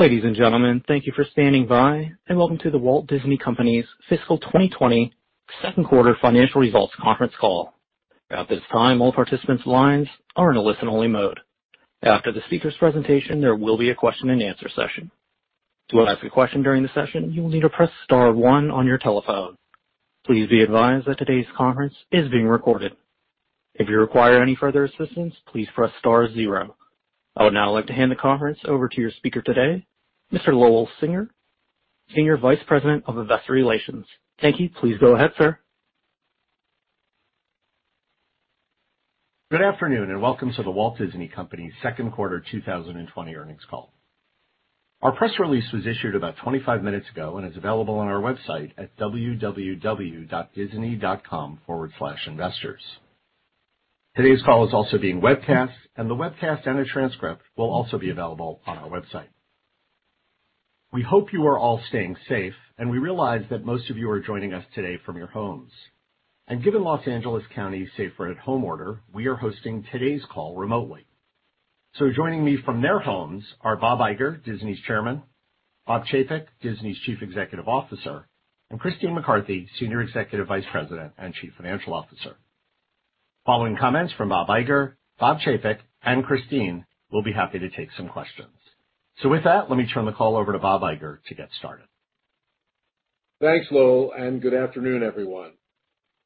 Ladies and gentlemen, thank you for standing by and welcome to The Walt Disney Company's fiscal 2020 second quarter financial results conference call. At this time, all participants' lines are in a listen-only mode. After the speakers' presentation, there will be a question-and-answer session. To ask a question during the session, you will need to press star one on your telephone. Please be advised that today's conference is being recorded. If you require any further assistance, please press star zero. I would now like to hand the conference over to your speaker today, Mr. Lowell Singer, Senior Vice President of Investor Relations. Thank you. Please go ahead, sir. Good afternoon, welcome to The Walt Disney Company's second quarter 2020 earnings call. Our press release was issued about 25 minutes ago and is available on our website at www.disney.com/investors. Today's call is also being webcast, the webcast and a transcript will also be available on our website. We hope you are all staying safe, we realize that most of you are joining us today from your homes. Given Los Angeles County's safer-at-home order, we are hosting today's call remotely. Joining me from their homes are Bob Iger, Disney's Chairman, Bob Chapek, Disney's Chief Executive Officer, and Christine McCarthy, Senior Executive Vice President and Chief Financial Officer. Following comments from Bob Iger, Bob Chapek, and Christine, we'll be happy to take some questions. With that, let me turn the call over to Bob Iger to get started. Thanks, Lowell, and good afternoon, everyone.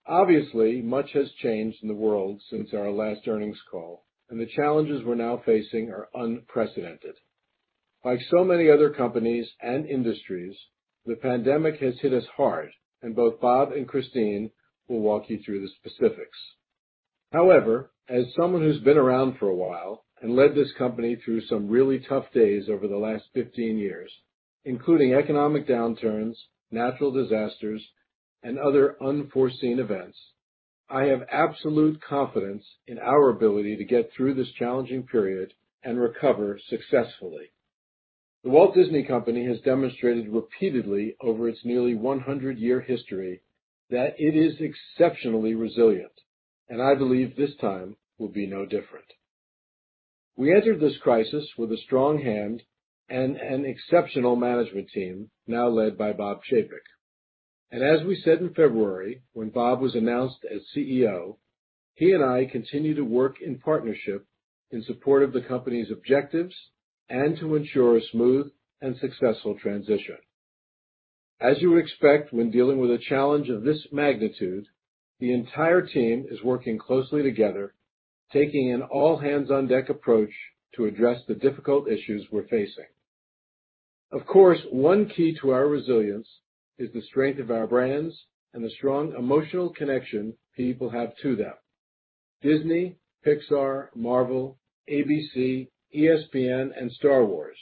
Obviously, much has changed in the world since our last earnings call, and the challenges we're now facing are unprecedented. Like so many other companies and industries, the pandemic has hit us hard and both Bob and Christine will walk you through the specifics. However, as someone who's been around for a while and led this company through some really tough days over the last 15 years, including economic downturns, natural disasters, and other unforeseen events, I have absolute confidence in our ability to get through this challenging period and recover successfully. The Walt Disney Company has demonstrated repeatedly over its nearly 100-year history that it is exceptionally resilient, and I believe this time will be no different. We entered this crisis with a strong hand and an exceptional management team, now led by Bob Chapek. As we said in February when Bob was announced as CEO, he and I continue to work in partnership in support of the company's objectives and to ensure a smooth and successful transition. As you would expect when dealing with a challenge of this magnitude, the entire team is working closely together, taking an all-hands-on-deck approach to address the difficult issues we're facing. Of course, one key to our resilience is the strength of our brands and the strong emotional connection people have to them. Disney, Pixar, Marvel, ABC, ESPN, and Star Wars.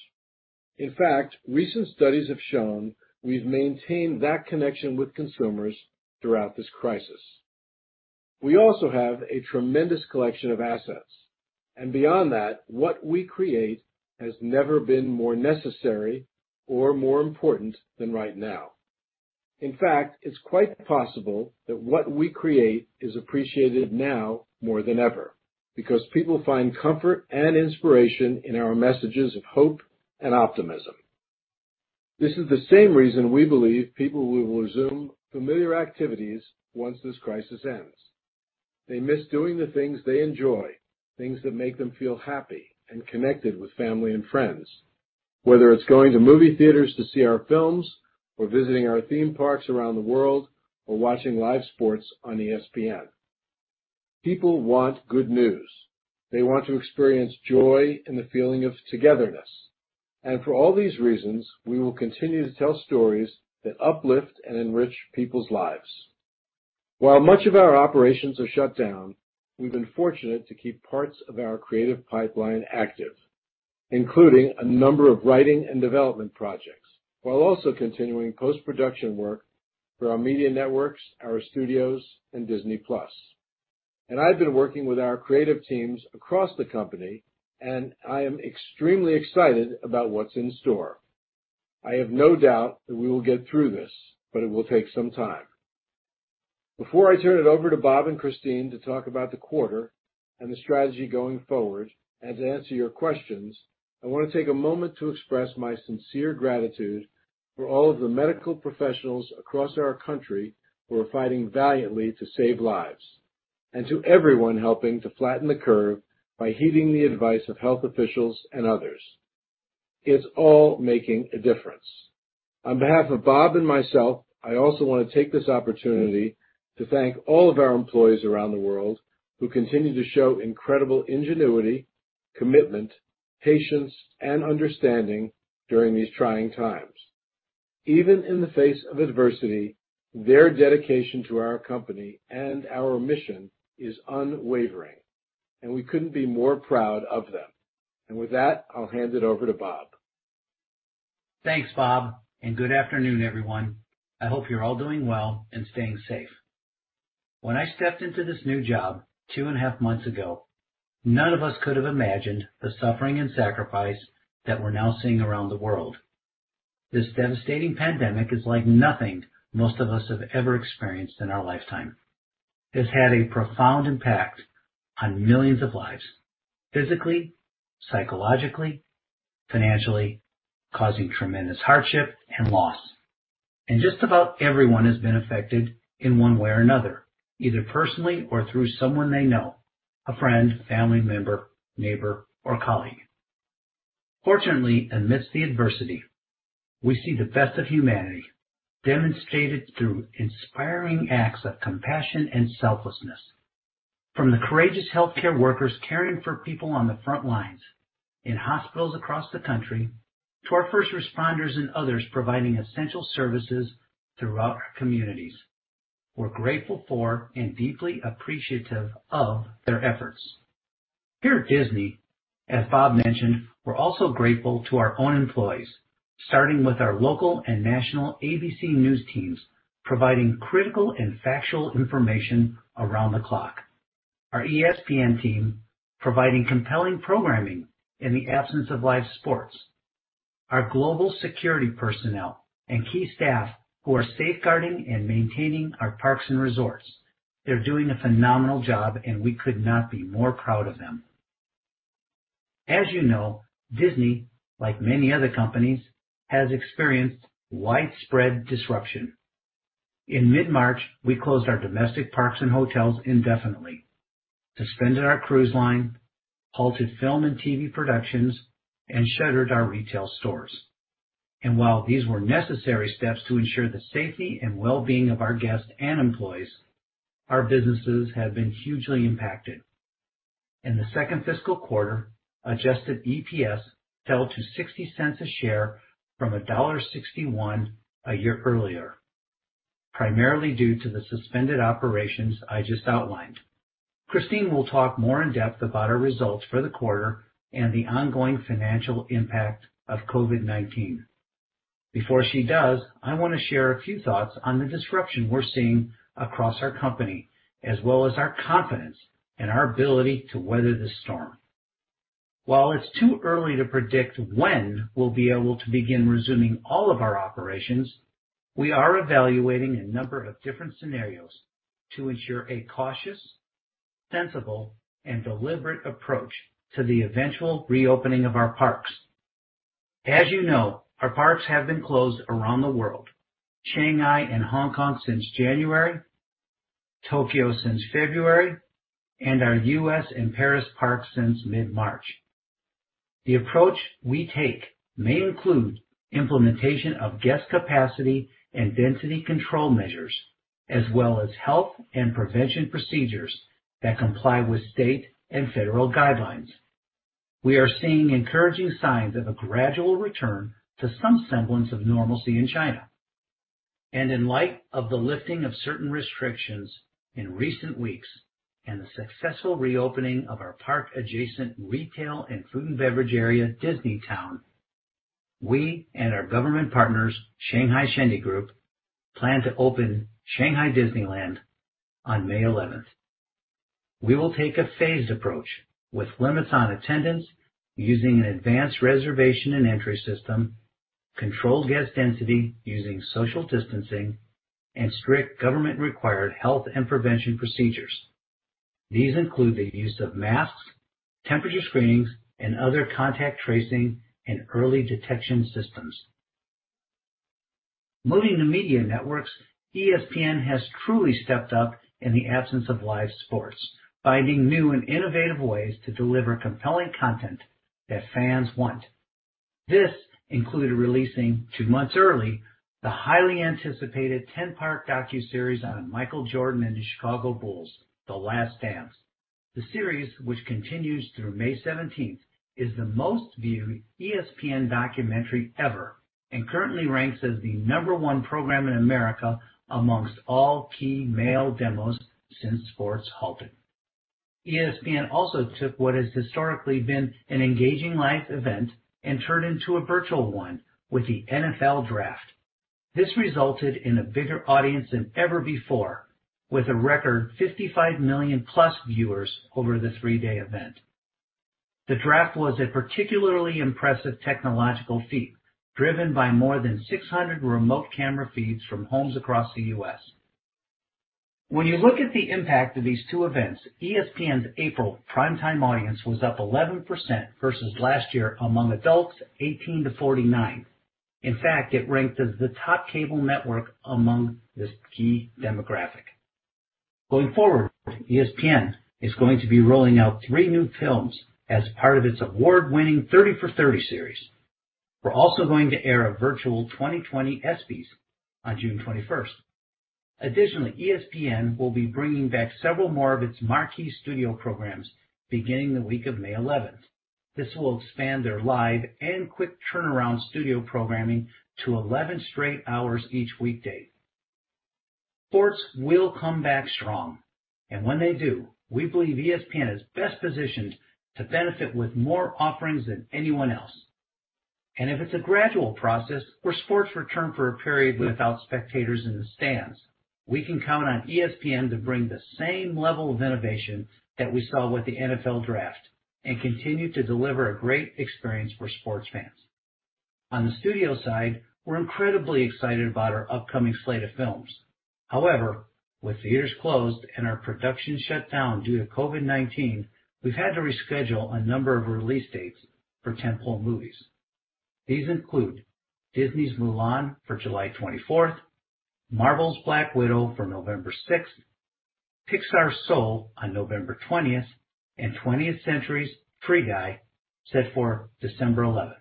In fact, recent studies have shown we've maintained that connection with consumers throughout this crisis. We also have a tremendous collection of assets, and beyond that, what we create has never been more necessary or more important than right now. In fact, it's quite possible that what we create is appreciated now more than ever because people find comfort and inspiration in our messages of hope and optimism. This is the same reason we believe people will resume familiar activities once this crisis ends. They miss doing the things they enjoy, things that make them feel happy and connected with family and friends, whether it's going to movie theaters to see our films or visiting our theme parks around the world or watching live sports on ESPN. People want good news. They want to experience joy and the feeling of togetherness. For all these reasons, we will continue to tell stories that uplift and enrich people's lives. While much of our operations are shut down, we've been fortunate to keep parts of our creative pipeline active, including a number of writing and development projects, while also continuing post-production work for our media networks, our studios, and Disney+. I've been working with our creative teams across the company, and I am extremely excited about what's in store. I have no doubt that we will get through this, but it will take some time. Before I turn it over to Bob and Christine to talk about the quarter and the strategy going forward and to answer your questions, I want to take a moment to express my sincere gratitude for all of the medical professionals across our country who are fighting valiantly to save lives, and to everyone helping to flatten the curve by heeding the advice of health officials and others. It's all making a difference. On behalf of Bob and myself, I also want to take this opportunity to thank all of our employees around the world who continue to show incredible ingenuity, commitment, patience, and understanding during these trying times. Even in the face of adversity, their dedication to our company and our mission is unwavering, and we couldn't be more proud of them. With that, I'll hand it over to Bob. Thanks, Bob. Good afternoon, everyone. I hope you're all doing well and staying safe. When I stepped into this new job two and a half months ago, none of us could have imagined the suffering and sacrifice that we're now seeing around the world. This devastating pandemic is like nothing most of us have ever experienced in our lifetime. It's had a profound impact on millions of lives, physically, psychologically, financially, causing tremendous hardship and loss. Just about everyone has been affected in one way or another, either personally or through someone they know, a friend, family member, neighbor, or colleague. Fortunately, amidst the adversity, we see the best of humanity demonstrated through inspiring acts of compassion and selflessness. From the courageous healthcare workers caring for people on the front lines in hospitals across the country, to our first responders and others providing essential services throughout our communities, we're grateful for and deeply appreciative of their efforts. Here at Disney, as Bob mentioned, we're also grateful to our own employees, starting with our local and national ABC News teams, providing critical and factual information around the clock. Our ESPN team, providing compelling programming in the absence of live sports. Our global security personnel and key staff who are safeguarding and maintaining our parks and resorts. They're doing a phenomenal job, and we could not be more proud of them. As you know, Disney, like many other companies, has experienced widespread disruption. In mid-March, we closed our domestic parks and hotels indefinitely, suspended our cruise line, halted film and TV productions, and shuttered our retail stores. While these were necessary steps to ensure the safety and wellbeing of our guests and employees, our businesses have been hugely impacted. In the second fiscal quarter, adjusted EPS fell to $0.60 a share from $1.61 a year earlier, primarily due to the suspended operations I just outlined. Christine will talk more in depth about our results for the quarter and the ongoing financial impact of COVID-19. Before she does, I want to share a few thoughts on the disruption we're seeing across our company, as well as our confidence in our ability to weather the storm. While it's too early to predict when we'll be able to begin resuming all of our operations, we are evaluating a number of different scenarios to ensure a cautious, sensible, and deliberate approach to the eventual reopening of our parks. As you know, our parks have been closed around the world, Shanghai and Hong Kong since January, Tokyo since February, and our U.S. and Paris parks since mid-March. The approach we take may include implementation of guest capacity and density control measures, as well as health and prevention procedures that comply with state and federal guidelines. We are seeing encouraging signs of a gradual return to some semblance of normalcy in China. In light of the lifting of certain restrictions in recent weeks and the successful reopening of our park-adjacent retail and food and beverage area, Disneytown, we and our government partners, Shanghai Shendi Group, plan to open Shanghai Disneyland on May 11th. We will take a phased approach with limits on attendance using an advanced reservation and entry system, controlled guest density using social distancing, and strict government-required health and prevention procedures. These include the use of masks, temperature screenings, and other contact tracing and early detection systems. Moving to media networks, ESPN has truly stepped up in the absence of live sports, finding new and innovative ways to deliver compelling content that fans want. This included releasing, two months early, the highly anticipated 10-part docuseries on Michael Jordan and the Chicago Bulls, "The Last Dance." The series, which continues through May 17th, is the most-viewed ESPN documentary ever, and currently ranks as the number one program in America amongst all key male demos since sports halted. ESPN also took what has historically been an engaging live event and turned into a virtual one with the NFL Draft. This resulted in a bigger audience than ever before, with a record 55 million-plus viewers over the three-day event. The draft was a particularly impressive technological feat, driven by more than 600 remote camera feeds from homes across the U.S. When you look at the impact of these two events, ESPN's April primetime audience was up 11% versus last year among adults 18-49. In fact, it ranked as the top cable network among this key demographic. Going forward, ESPN is going to be rolling out three new films as part of its award-winning 30 for 30 series. We're also going to air a virtual 2020 ESPYs on June 21st. Additionally, ESPN will be bringing back several more of its marquee studio programs beginning the week of May 11th. This will expand their live and quick turnaround studio programming to 11 straight hours each weekday. Sports will come back strong, and when they do, we believe ESPN is best positioned to benefit with more offerings than anyone else. If it's a gradual process where sports return for a period without spectators in the stands. We can count on ESPN to bring the same level of innovation that we saw with the NFL Draft and continue to deliver a great experience for sports fans. On the studio side, we're incredibly excited about our upcoming slate of films. However, with theaters closed and our production shut down due to COVID-19, we've had to reschedule a number of release dates for tentpole movies. These include Disney's Mulan for July 24th, Marvel's Black Widow for November 6th, Pixar's Soul on November 20th, and 20th Century's Free Guy, set for December 11th.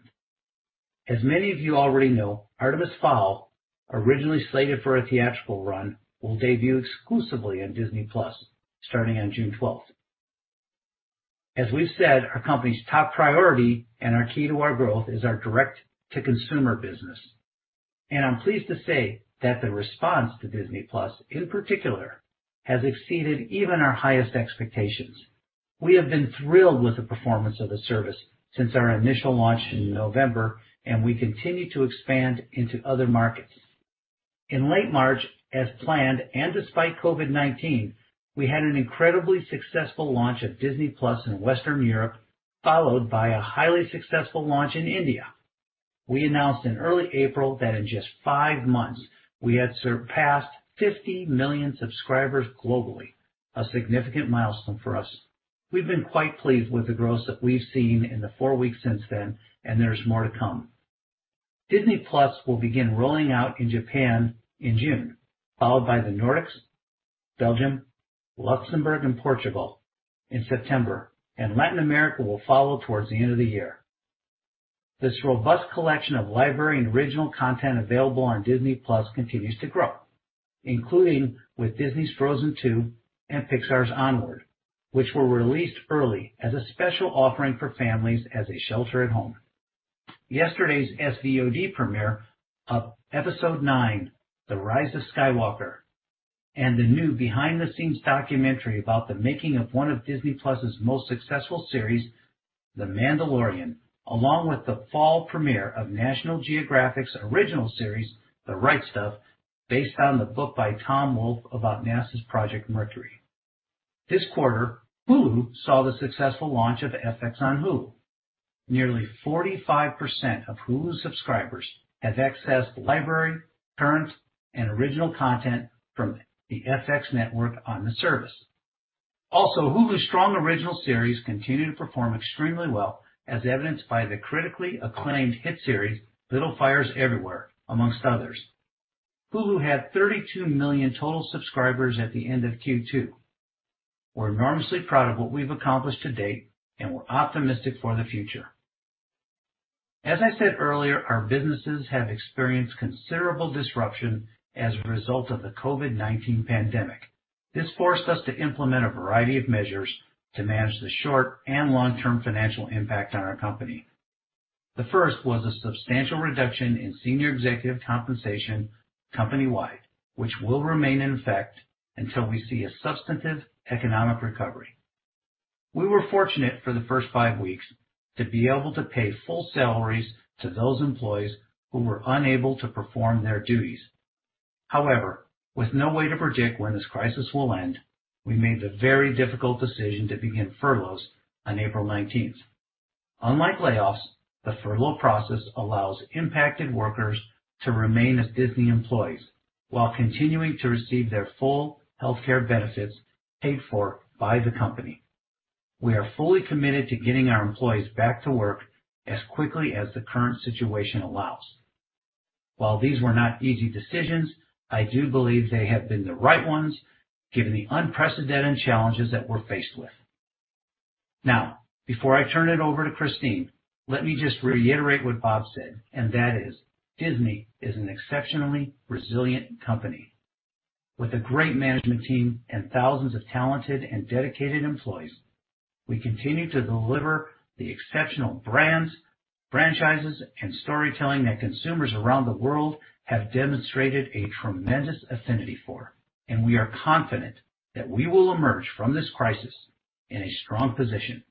As many of you already know, Artemis Fowl, originally slated for a theatrical run, will debut exclusively on Disney+ starting on June 12th. As we've said, our company's top priority and our key to our growth is our direct-to-consumer business, and I'm pleased to say that the response to Disney+, in particular, has exceeded even our highest expectations. We have been thrilled with the performance of the service since our initial launch in November, and we continue to expand into other markets. In late March, as planned and despite COVID-19, we had an incredibly successful launch of Disney+ in Western Europe, followed by a highly successful launch in India. We announced in early April that in just five months, we had surpassed 50 million subscribers globally, a significant milestone for us. We've been quite pleased with the growth that we've seen in the four weeks since then, and there's more to come. Disney+ will begin rolling out in Japan in June, followed by the Nordics, Belgium, Luxembourg, and Portugal in September, and Latin America will follow towards the end of the year. This robust collection of library and original content available on Disney+ continues to grow, including with Disney's Frozen II and Pixar's Onward, which were released early as a special offering for families as they shelter at home. Yesterday's SVOD premiere of Episode IX – The Rise of Skywalker and the new behind-the-scenes documentary about the making of one of Disney+'s most successful series, The Mandalorian, along with the fall premiere of National Geographic's original series, The Right Stuff, based on the book by Tom Wolfe about NASA's Project Mercury. This quarter, Hulu saw the successful launch of FX on Hulu. Nearly 45% of Hulu subscribers have accessed the library, current, and original content from the FX Network on the service. Hulu's strong original series continue to perform extremely well, as evidenced by the critically acclaimed hit series, Little Fires Everywhere, among others. Hulu had 32 million total subscribers at the end of Q2. We're enormously proud of what we've accomplished to date, and we're optimistic for the future. As I said earlier, our businesses have experienced considerable disruption as a result of the COVID-19 pandemic. This forced us to implement a variety of measures to manage the short and long-term financial impact on our company. The first was a substantial reduction in senior executive compensation company-wide, which will remain in effect until we see a substantive economic recovery. We were fortunate for the first five weeks to be able to pay full salaries to those employees who were unable to perform their duties. However, with no way to predict when this crisis will end, we made the very difficult decision to begin furloughs on April 19th. Unlike layoffs, the furlough process allows impacted workers to remain as Disney employees while continuing to receive their full healthcare benefits paid for by the company. We are fully committed to getting our employees back to work as quickly as the current situation allows. While these were not easy decisions, I do believe they have been the right ones, given the unprecedented challenges that we're faced with. Now, before I turn it over to Christine, let me just reiterate what Bob said, and that is Disney is an exceptionally resilient company. With a great management team and thousands of talented and dedicated employees, we continue to deliver the exceptional brands, franchises, and storytelling that consumers around the world have demonstrated a tremendous affinity for, and we are confident that we will emerge from this crisis in a strong position.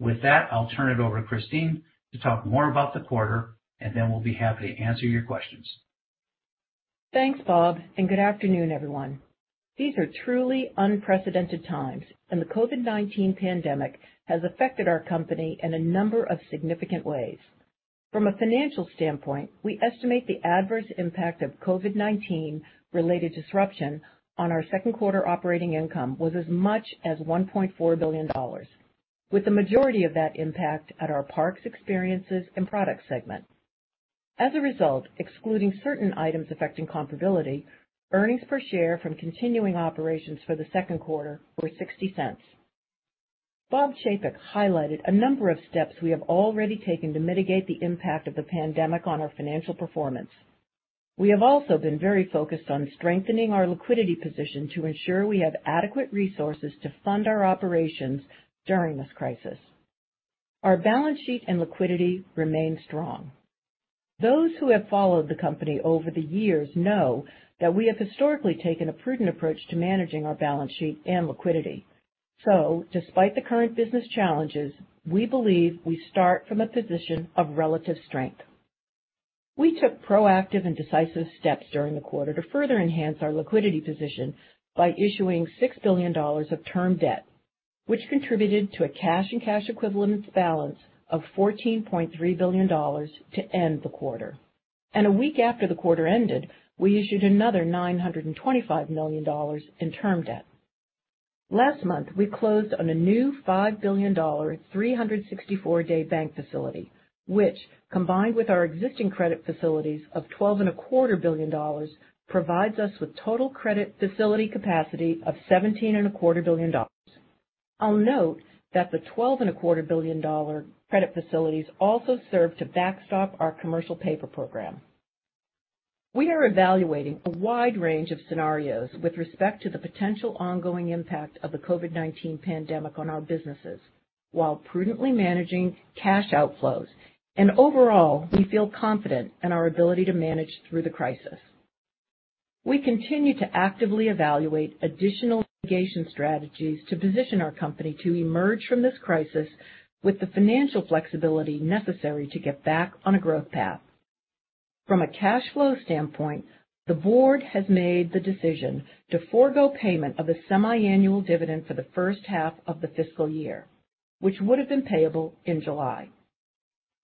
With that, I'll turn it over to Christine to talk more about the quarter, and then we'll be happy to answer your questions. Thanks, Bob, and good afternoon, everyone. These are truly unprecedented times, and the COVID-19 pandemic has affected our company in a number of significant ways. From a financial standpoint, we estimate the adverse impact of COVID-19-related disruption on our second quarter operating income was as much as $1.4 billion, with the majority of that impact at our Parks, Experiences and Products segment. As a result, excluding certain items affecting comparability, earnings per share from continuing operations for the second quarter were $0.60. Bob Chapek highlighted a number of steps we have already taken to mitigate the impact of the pandemic on our financial performance. We have also been very focused on strengthening our liquidity position to ensure we have adequate resources to fund our operations during this crisis. Our balance sheet and liquidity remain strong. Those who have followed the company over the years know that we have historically taken a prudent approach to managing our balance sheet and liquidity. Despite the current business challenges, we believe we start from a position of relative strength. We took proactive and decisive steps during the quarter to further enhance our liquidity position by issuing $6 billion of term debt, which contributed to a cash and cash equivalents balance of $14.3 billion to end the quarter. A week after the quarter ended, we issued another $925 million in term debt. Last month, we closed on a new $5 billion, 364-day bank facility, which, combined with our existing credit facilities of $12.25 billion, provides us with total credit facility capacity of $17.25 billion. I'll note that the $12.25 billion credit facilities also serve to backstop our commercial paper program. We are evaluating a wide range of scenarios with respect to the potential ongoing impact of the COVID-19 pandemic on our businesses while prudently managing cash outflows. Overall, we feel confident in our ability to manage through the crisis. We continue to actively evaluate additional mitigation strategies to position our company to emerge from this crisis with the financial flexibility necessary to get back on a growth path. From a cash flow standpoint, the board has made the decision to forgo payment of the semiannual dividend for the first half of the fiscal year, which would have been payable in July.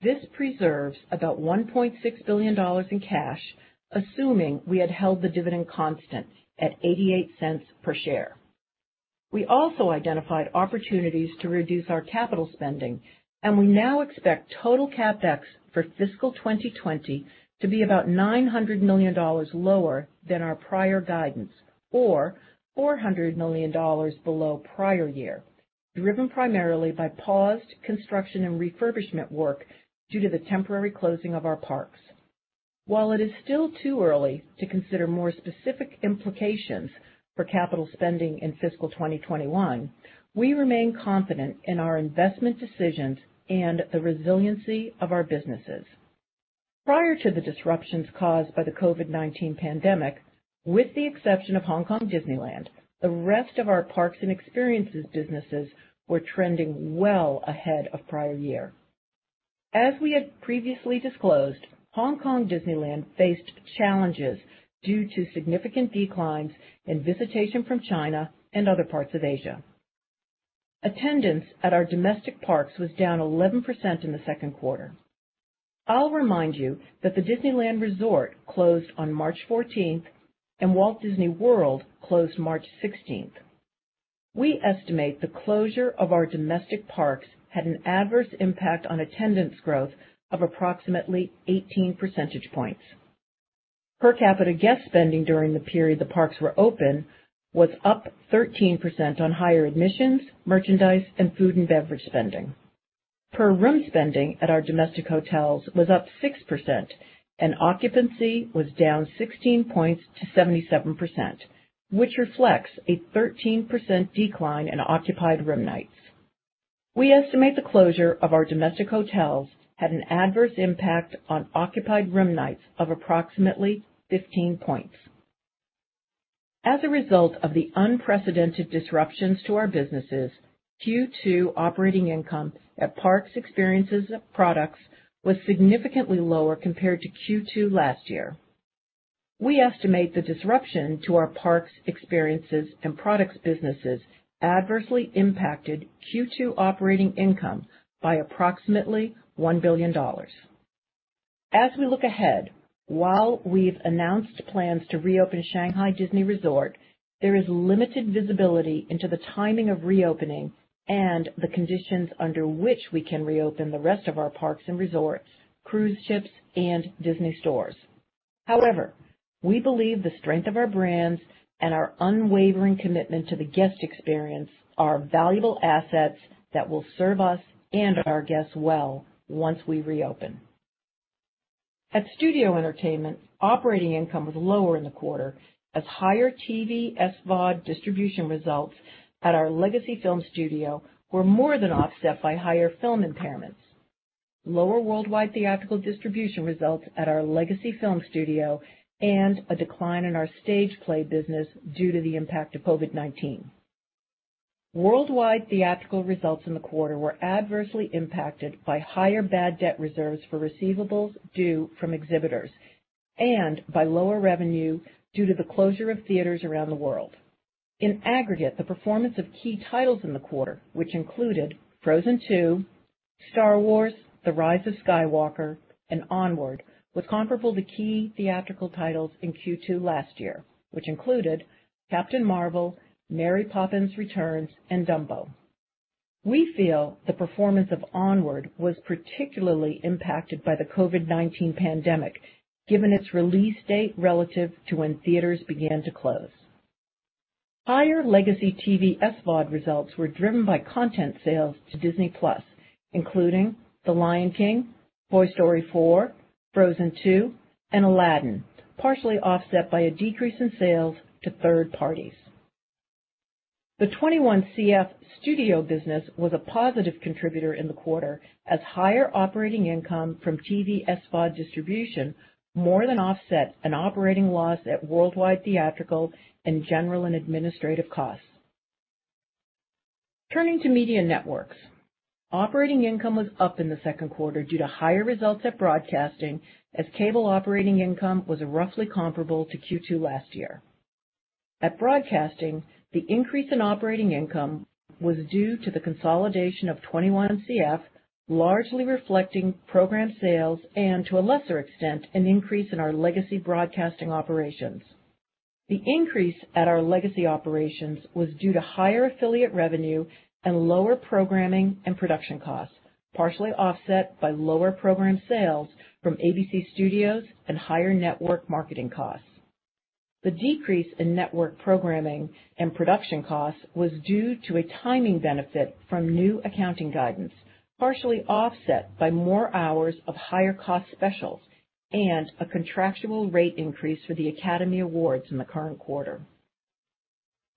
This preserves about $1.6 billion in cash, assuming we had held the dividend constant at $0.88 per share. We also identified opportunities to reduce our capital spending. We now expect total CapEx for fiscal 2020 to be about $900 million lower than our prior guidance or $400 million below prior year, driven primarily by paused construction and refurbishment work due to the temporary closing of our parks. While it is still too early to consider more specific implications for capital spending in fiscal 2021, we remain confident in our investment decisions and the resiliency of our businesses. Prior to the disruptions caused by the COVID-19 pandemic, with the exception of Hong Kong Disneyland, the rest of our parks and experiences businesses were trending well ahead of prior year. As we had previously disclosed, Hong Kong Disneyland faced challenges due to significant declines in visitation from China and other parts of Asia. Attendance at our domestic parks was down 11% in the second quarter. I'll remind you that the Disneyland Resort closed on March 14th and Walt Disney World closed March 16th. We estimate the closure of our domestic parks had an adverse impact on attendance growth of approximately 18 percentage points. Per capita guest spending during the period the parks were open was up 13% on higher admissions, merchandise, and food and beverage spending. Per room spending at our domestic hotels was up 6% and occupancy was down 16 points to 77%, which reflects a 13% decline in occupied room nights. We estimate the closure of our domestic hotels had an adverse impact on occupied room nights of approximately 15 points. As a result of the unprecedented disruptions to our businesses, Q2 operating income at parks, experiences, and products was significantly lower compared to Q2 last year. We estimate the disruption to our Parks, Experiences and Products businesses adversely impacted Q2 operating income by approximately $1 billion. As we look ahead, while we've announced plans to reopen Shanghai Disney Resort, there is limited visibility into the timing of reopening and the conditions under which we can reopen the rest of our parks and resorts, cruise ships, and Disney stores. However, we believe the strength of our brands and our unwavering commitment to the guest experience are valuable assets that will serve us and our guests well once we reopen. At Studio Entertainment, operating income was lower in the quarter as higher TV SVOD distribution results at our legacy film studio were more than offset by higher film impairments, lower worldwide theatrical distribution results at our legacy film studio, and a decline in our stage play business due to the impact of COVID-19. Worldwide theatrical results in the quarter were adversely impacted by higher bad debt reserves for receivables due from exhibitors and by lower revenue due to the closure of theaters around the world. In aggregate, the performance of key titles in the quarter, which included "Frozen II," "Star Wars: The Rise of Skywalker," and "Onward," was comparable to key theatrical titles in Q2 last year, which included "Captain Marvel," "Mary Poppins Returns," and "Dumbo." We feel the performance of "Onward" was particularly impacted by the COVID-19 pandemic, given its release date relative to when theaters began to close. Higher legacy TV SVOD results were driven by content sales to Disney+, including "The Lion King," "Toy Story 4," "Frozen II," and "Aladdin," partially offset by a decrease in sales to third parties. The 21CF studio business was a positive contributor in the quarter as higher operating income from TV SVOD distribution more than offset an operating loss at worldwide theatrical and general and administrative costs. Turning to media networks. Operating income was up in the second quarter due to higher results at broadcasting, as cable operating income was roughly comparable to Q2 last year. At broadcasting, the increase in operating income was due to the consolidation of 21CF, largely reflecting program sales and, to a lesser extent, an increase in our legacy broadcasting operations. The increase at our legacy operations was due to higher affiliate revenue and lower programming and production costs, partially offset by lower program sales from ABC Studios and higher network marketing costs. The decrease in network programming and production costs was due to a timing benefit from new accounting guidance, partially offset by more hours of higher cost specials and a contractual rate increase for the Academy Awards in the current quarter.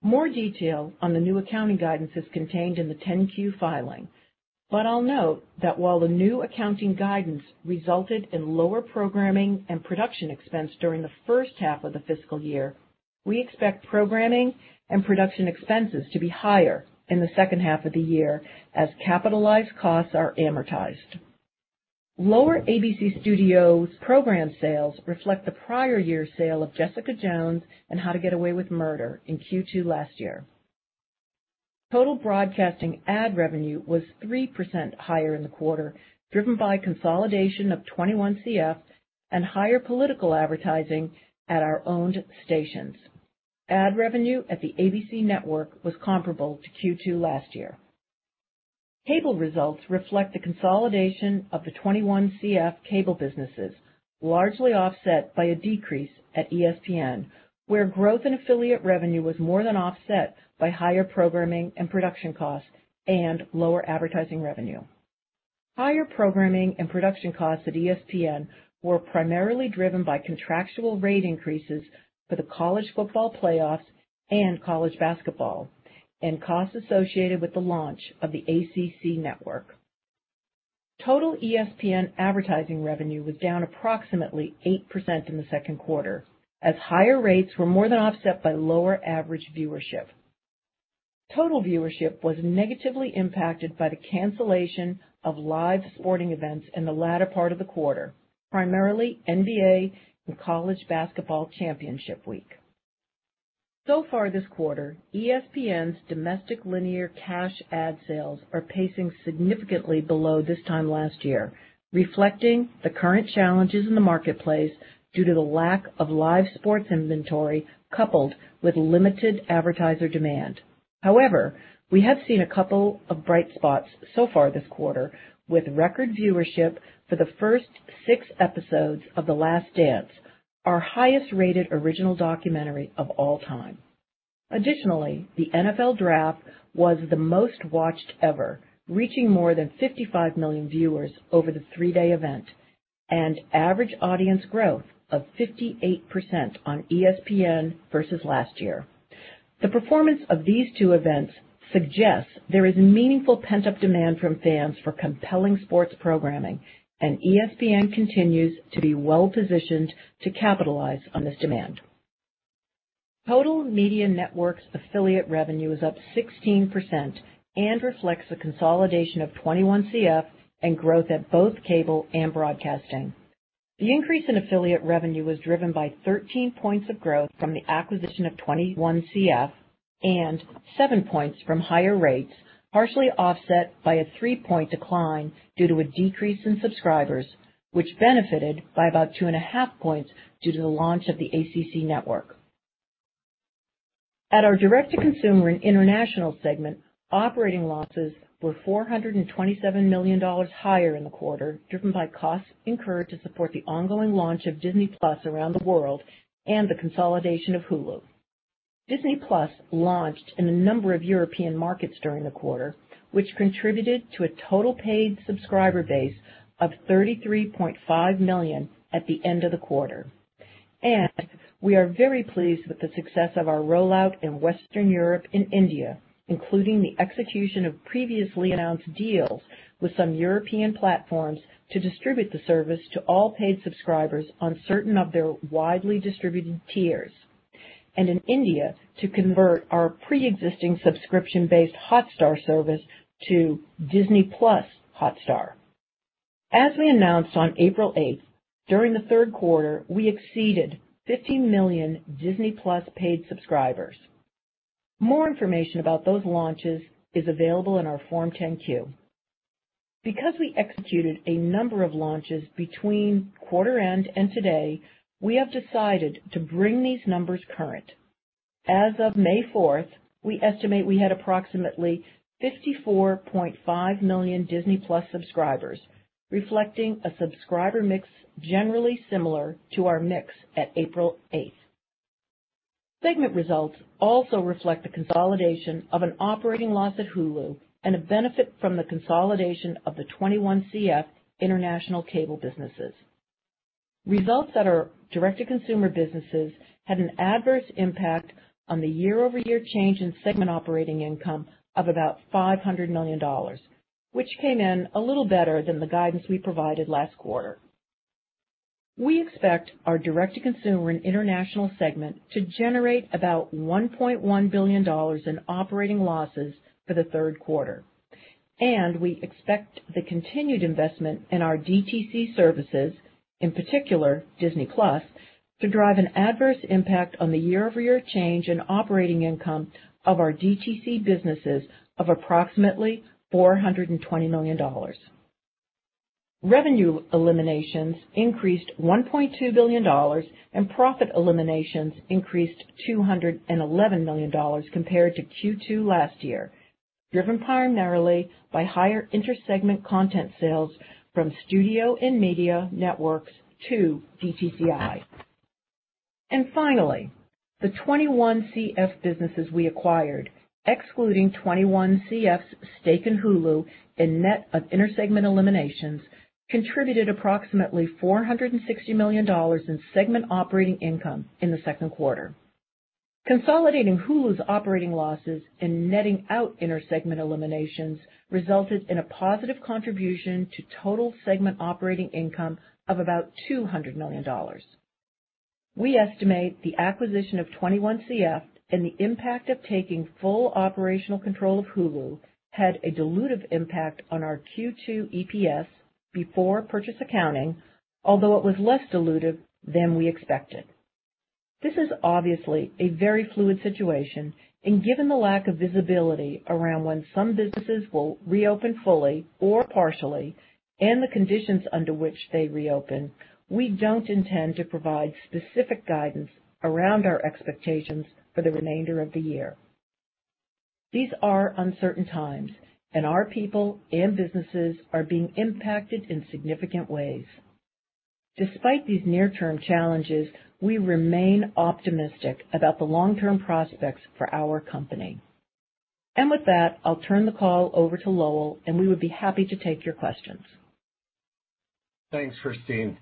More detail on the new accounting guidance is contained in the 10-Q filing. I'll note that while the new accounting guidance resulted in lower programming and production expense during the first half of the fiscal year, we expect programming and production expenses to be higher in the second half of the year as capitalized costs are amortized. Lower ABC Studios program sales reflect the prior year sale of "Jessica Jones" and "How to Get Away with Murder" in Q2 last year. Total broadcasting ad revenue was 3% higher in the quarter, driven by consolidation of 21CF and higher political advertising at our owned stations. Ad revenue at the ABC Network was comparable to Q2 last year. Cable results reflect the consolidation of the 21CF cable businesses, largely offset by a decrease at ESPN, where growth in affiliate revenue was more than offset by higher programming and production costs and lower advertising revenue. Higher programming and production costs at ESPN were primarily driven by contractual rate increases for the college football playoffs and college basketball, and costs associated with the launch of the ACC Network. Total ESPN advertising revenue was down approximately 8% in the second quarter, as higher rates were more than offset by lower average viewership. Total viewership was negatively impacted by the cancellation of live sporting events in the latter part of the quarter, primarily NBA and college basketball championship week. Far this quarter, ESPN's domestic linear cash ad sales are pacing significantly below this time last year, reflecting the current challenges in the marketplace due to the lack of live sports inventory, coupled with limited advertiser demand. However, we have seen a couple of bright spots so far this quarter with record viewership for the first six episodes of "The Last Dance," our highest-rated original documentary of all time. Additionally, the NFL Draft was the most watched ever, reaching more than 55 million viewers over the three-day event and average audience growth of 58% on ESPN versus last year. The performance of these two events suggests there is meaningful pent-up demand from fans for compelling sports programming, and ESPN continues to be well-positioned to capitalize on this demand. Total Media Networks affiliate revenue is up 16% and reflects a consolidation of 21CF and growth at both cable and broadcasting. The increase in affiliate revenue was driven by 13 points of growth from the acquisition of 21CF and 7 points from higher rates, partially offset by a 3-point decline due to a decrease in subscribers, which benefited by about 2.5 Points due to the launch of the ACC Network. At our Direct-to-Consumer and International segment, operating losses were $427 million higher in the quarter, driven by costs incurred to support the ongoing launch of Disney+ around the world and the consolidation of Hulu. Disney+ launched in a number of European markets during the quarter, which contributed to a total paid subscriber base of 33.5 million at the end of the quarter. We are very pleased with the success of our rollout in Western Europe and India, including the execution of previously announced deals with some European platforms to distribute the service to all paid subscribers on certain of their widely distributed tiers. In India to convert our preexisting subscription-based Hotstar service to Disney+ Hotstar. As we announced on April 8th, during the third quarter, we exceeded 50 million Disney+ paid subscribers. More information about those launches is available in our Form 10-Q. Because we executed a number of launches between quarter end and today, we have decided to bring these numbers current. As of May 4th, we estimate we had approximately 54.5 million Disney+ subscribers, reflecting a subscriber mix generally similar to our mix at April 8th. Segment results also reflect the consolidation of an operating loss at Hulu and a benefit from the consolidation of the 21CF international cable businesses. Results at our direct-to-consumer businesses had an adverse impact on the year-over-year change in segment operating income of about $500 million, which came in a little better than the guidance we provided last quarter. We expect our direct-to-consumer and international segment to generate about $1.1 billion in operating losses for the third quarter. We expect the continued investment in our DTC services, in particular, Disney+, to drive an adverse impact on the year-over-year change in operating income of our DTC businesses of approximately $420 million. Revenue eliminations increased $1.2 billion and profit eliminations increased $211 million compared to Q2 last year, driven primarily by higher inter-segment content sales from Studio and Media Networks to DTCI. Finally, the 21CF businesses we acquired, excluding 21CF's stake in Hulu and net of inter-segment eliminations, contributed approximately $460 million in segment operating income in the second quarter. Consolidating Hulu's operating losses and netting out inter-segment eliminations resulted in a positive contribution to total segment operating income of about $200 million. We estimate the acquisition of 21CF and the impact of taking full operational control of Hulu had a dilutive impact on our Q2 EPS before purchase accounting, although it was less dilutive than we expected. This is obviously a very fluid situation, and given the lack of visibility around when some businesses will reopen fully or partially, and the conditions under which they reopen, we don't intend to provide specific guidance around our expectations for the remainder of the year. These are uncertain times, and our people and businesses are being impacted in significant ways. Despite these near-term challenges, we remain optimistic about the long-term prospects for our company. With that, I'll turn the call over to Lowell, and we would be happy to take your questions. Thanks, Christine.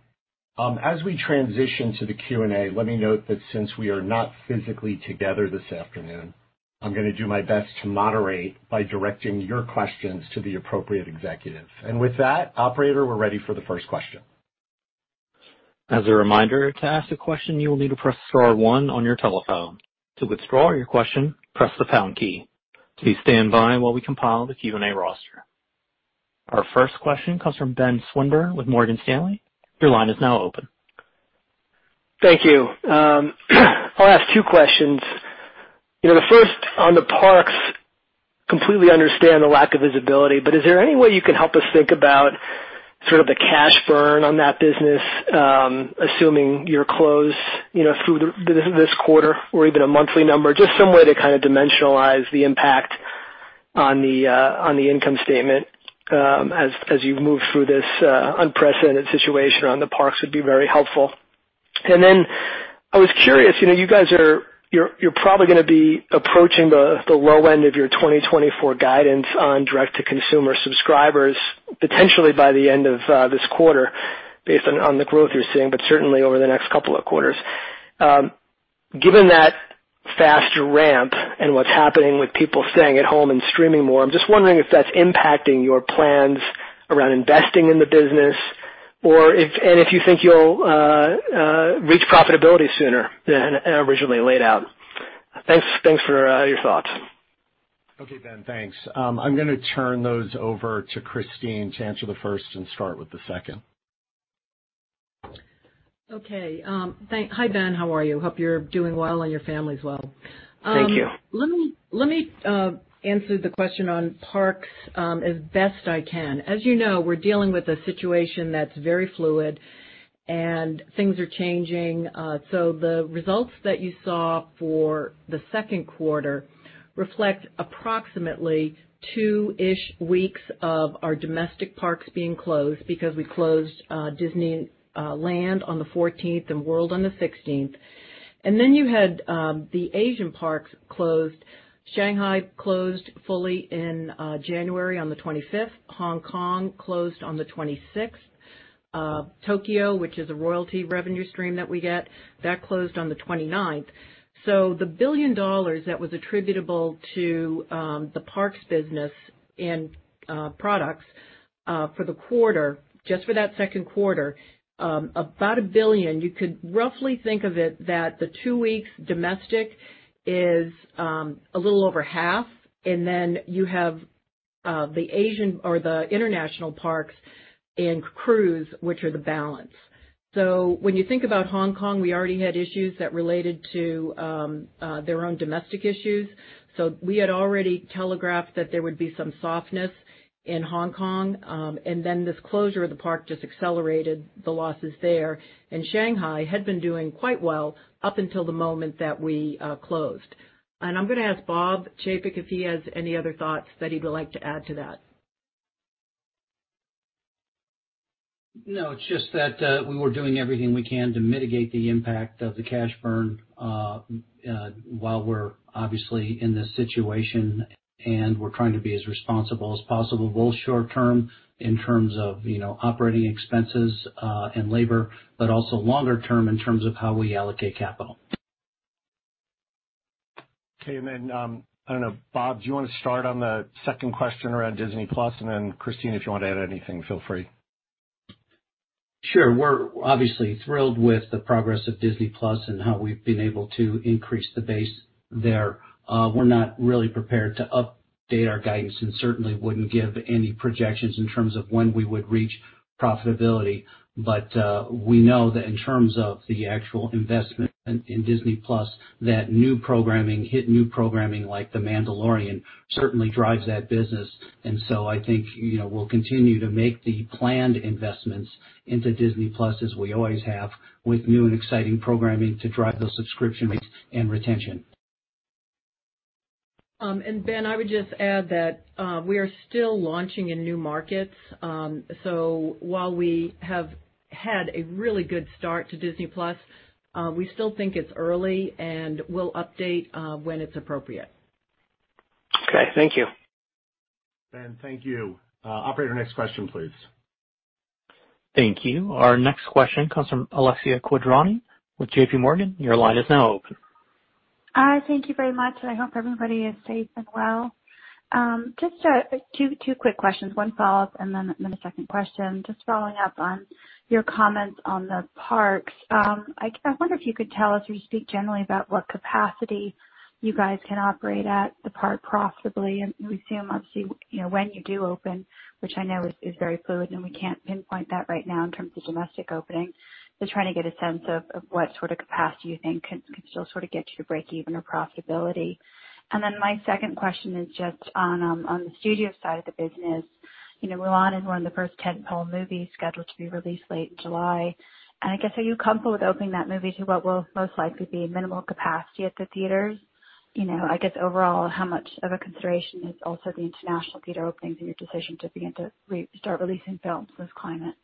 As we transition to the Q&A, let me note that since we are not physically together this afternoon, I'm going to do my best to moderate by directing your questions to the appropriate executive. With that, operator, we're ready for the first question. As a reminder, to ask a question, you will need to press star one on your telephone. To withdraw your question, press the pound key. Please stand by while we compile the Q&A roster. Our first question comes from Ben Swinburne with Morgan Stanley. Your line is now open. Thank you. I'll ask two questions. The first on the parks, completely understand the lack of visibility, but is there any way you can help us think about the cash burn on that business, assuming you're closed through this quarter, or even a monthly number, just some way to dimensionalize the impact on the income statement as you move through this unprecedented situation on the parks would be very helpful. I was curious, you're probably going to be approaching the low end of your 2024 guidance on direct-to-consumer subscribers potentially by the end of this quarter based on the growth you're seeing, but certainly over the next couple of quarters. Given that fast ramp and what's happening with people staying at home and streaming more, I'm just wondering if that's impacting your plans around investing in the business, and if you think you'll reach profitability sooner than originally laid out? Thanks for your thoughts. Okay, Ben. Thanks. I'm going to turn those over to Christine to answer the first and start with the second. Okay. Hi, Ben. How are you? Hope you're doing well and your family's well. Thank you. Let me answer the question on parks as best I can. As you know, we're dealing with a situation that's very fluid and things are changing. The results that you saw for the second quarter reflect approximately two-ish weeks of our domestic parks being closed because we closed Disneyland on the 14th and World on the 16th. You had the Asian parks closed. Shanghai closed fully in January on the 25th. Hong Kong closed on the 26th. Tokyo, which is a royalty revenue stream that we get, that closed on the 29th. The $1 billion that was attributable to the parks business and products for the quarter, just for that 2Q, about $1 billion, you could roughly think of it that the two weeks domestic is a little over half, and then you have the Asian or the international parks and cruise, which are the balance. When you think about Hong Kong, we already had issues that related to their own domestic issues. We had already telegraphed that there would be some softness in Hong Kong, and then this closure of the park just accelerated the losses there. Shanghai had been doing quite well up until the moment that we closed. I'm going to ask Bob Chapek if he has any other thoughts that he would like to add to that. No, it's just that we're doing everything we can to mitigate the impact of the cash burn while we're obviously in this situation, and we're trying to be as responsible as possible, both short term in terms of operating expenses and labor, but also longer term in terms of how we allocate capital. Okay. I don't know, Bob, do you want to start on the second question around Disney+? Christine, if you want to add anything, feel free. Sure. We're obviously thrilled with the progress of Disney+ and how we've been able to increase the base there. We're not really prepared to update our guidance and certainly wouldn't give any projections in terms of when we would reach profitability. We know that in terms of the actual investment in Disney+, that hit new programming like "The Mandalorian" certainly drives that business. I think we'll continue to make the planned investments into Disney+ as we always have, with new and exciting programming to drive those subscriptions and retention. Ben, I would just add that we are still launching in new markets. While we have had a really good start to Disney+, we still think it's early, and we'll update when it's appropriate. Okay. Thank you. Ben, thank you. Operator, next question, please. Thank you. Our next question comes from Alexia Quadrani with JPMorgan. Your line is now open. Hi. Thank you very much, and I hope everybody is safe and well. Just two quick questions, one follow-up and then a second question. Just following up on your comments on the parks. I wonder if you could tell us or speak generally about what capacity you guys can operate at the park profitably and resume, obviously, when you do open, which I know is very fluid, and we can't pinpoint that right now in terms of domestic opening. Just trying to get a sense of what sort of capacity you think can still get you to breakeven or profitability. My second question is just on the studio side of the business. "Mulan" is one of the first tent-pole movies scheduled to be released late July. I guess, are you comfortable with opening that movie to what will most likely be minimal capacity at the theaters? I guess overall, how much of a consideration is also the international theater openings in your decision to begin to start releasing films in this climate?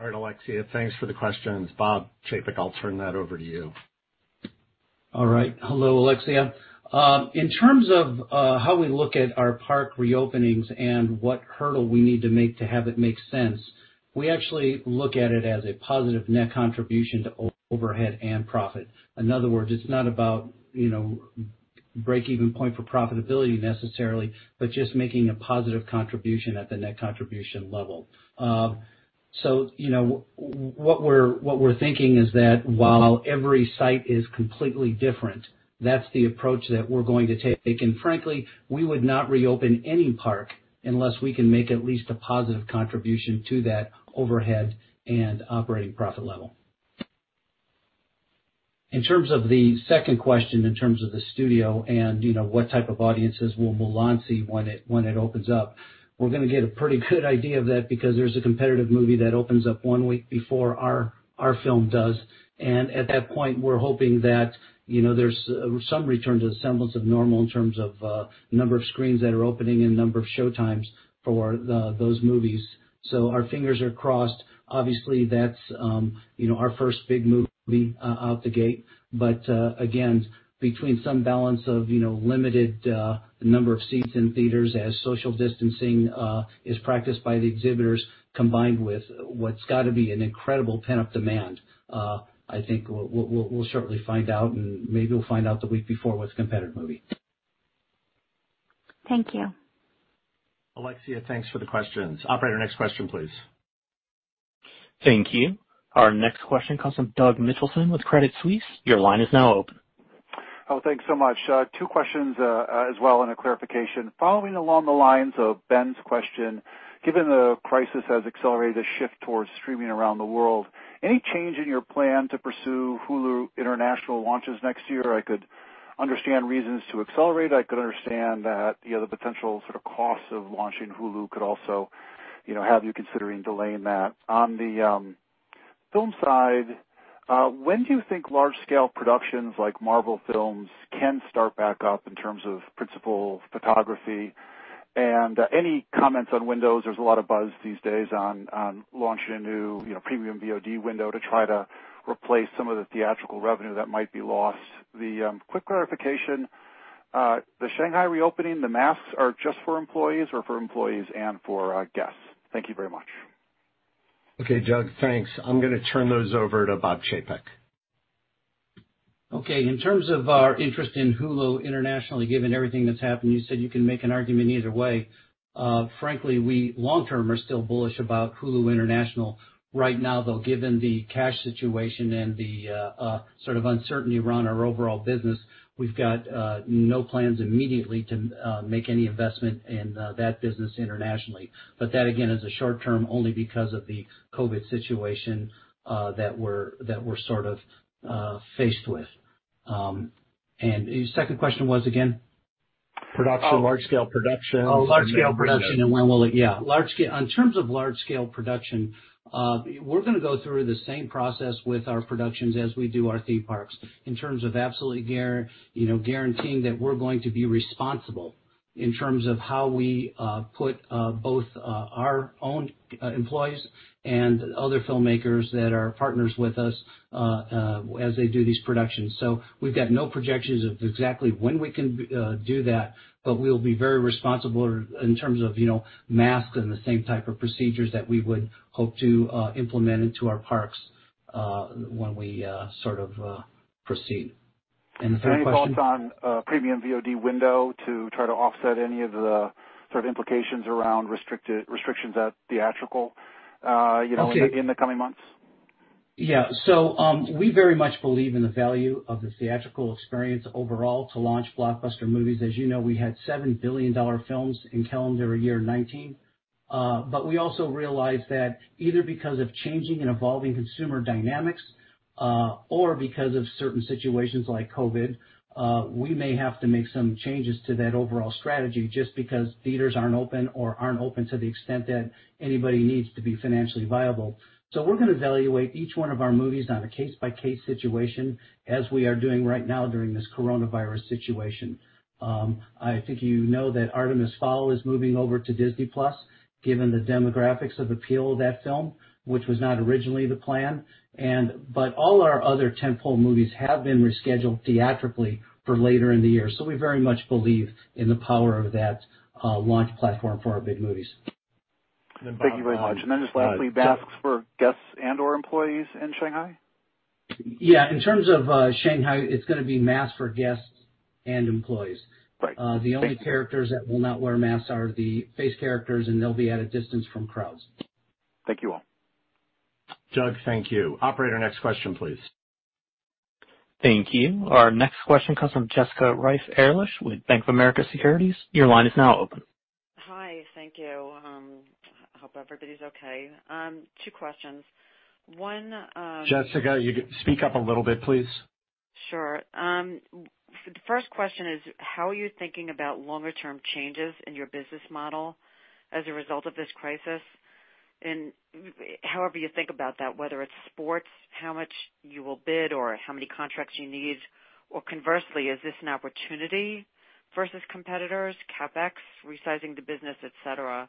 All right, Alexia, thanks for the questions. Bob Chapek, I'll turn that over to you. All right. Hello, Alexia. In terms of how we look at our park reopenings and what hurdle we need to make to have it make sense, we actually look at it as a positive net contribution to overhead and profit. In other words, it's not about breakeven point for profitability necessarily, but just making a positive contribution at the net contribution level. What we're thinking is that while every site is completely different, that's the approach that we're going to take. Frankly, we would not reopen any park unless we can make at least a positive contribution to that overhead and operating profit level. In terms of the second question, in terms of the studio and what type of audiences will "Mulan" see when it opens up, we're going to get a pretty good idea of that because there's a competitive movie that opens up one week before our film does. At that point, we're hoping that there's some return to a semblance of normal in terms of number of screens that are opening and number of showtimes for those movies. Our fingers are crossed. Obviously, that's our first big movie out the gate. Again, between some balance of limited number of seats in theaters as social distancing is practiced by the exhibitors, combined with what's got to be an incredible pent-up demand. I think we'll shortly find out, and maybe we'll find out the week before with competitive movie. Thank you. Alexia, thanks for the questions. Operator, next question, please. Thank you. Our next question comes from Doug Mitchelson with Credit Suisse. Your line is now open. Oh, thanks so much. Two questions as well, and a clarification. Following along the lines of Ben's question, given the crisis has accelerated a shift towards streaming around the world, any change in your plan to pursue Hulu international launches next year? I could understand reasons to accelerate. I could understand that the other potential costs of launching Hulu could also have you considering delaying that. On the film side, when do you think large scale productions like Marvel films can start back up in terms of principal photography? Any comments on windows? There's a lot of buzz these days on launching a new premium VOD window to try to replace some of the theatrical revenue that might be lost. The quick clarification, the Shanghai reopening, the masks are just for employees or for employees and for guests? Thank you very much. Okay, Doug, thanks. I'm going to turn those over to Bob Chapek. Okay. In terms of our interest in Hulu internationally, given everything that's happened, you said you can make an argument either way. Frankly, we long-term are still bullish about Hulu International. Right now, though, given the cash situation and the uncertainty around our overall business, we've got no plans immediately to make any investment in that business internationally. That, again, is a short term only because of the COVID situation that we're faced with. Your second question was, again? Production, large scale production. Oh, large scale production, yeah, in terms of large scale production, we're going to go through the same process with our productions as we do our theme parks in terms of absolutely guaranteeing that we're going to be responsible in terms of how we put both our own employees and other filmmakers that are partners with us as they do these productions. We've got no projections of exactly when we can do that, but we'll be very responsible in terms of masks and the same type of procedures that we would hope to implement into our parks when we proceed. The third question? Any thoughts on a premium VOD window to try to offset any of the sort of implications around restrictions at theatrical in the coming months? Yeah. We very much believe in the value of the theatrical experience overall to launch blockbuster movies. As you know, we had seven billion-dollar films in calendar year 2019. We also realize that either because of changing and evolving consumer dynamics, or because of certain situations like COVID, we may have to make some changes to that overall strategy just because theaters aren't open or aren't open to the extent that anybody needs to be financially viable. We're going to evaluate each one of our movies on a case-by-case situation as we are doing right now during this coronavirus situation. I think you know that "Artemis Fowl" is moving over to Disney+, given the demographics of appeal of that film, which was not originally the plan. All our other tent-pole movies have been rescheduled theatrically for later in the year. We very much believe in the power of that launch platform for our big movies. Thank you very much. Just lastly, masks for guests and/or employees in Shanghai? Yeah. In terms of Shanghai, it's going to be masks for guests and employees. Right. Thank you. The only characters that will not wear masks are the face characters, and they'll be at a distance from crowds. Thank you all. Doug, thank you. Operator, next question, please. Thank you. Our next question comes from Jessica Reif Ehrlich with Bank of America Securities. Your line is now open. Hi. Thank you. Hope everybody's okay. Two questions. Jessica, speak up a little bit, please. Sure. The first question is, how are you thinking about longer term changes in your business model as a result of this crisis? However, you think about that, whether it's sports, how much you will bid, or how many contracts you need, or conversely, is this an opportunity versus competitors, CapEx, resizing the business, et cetera?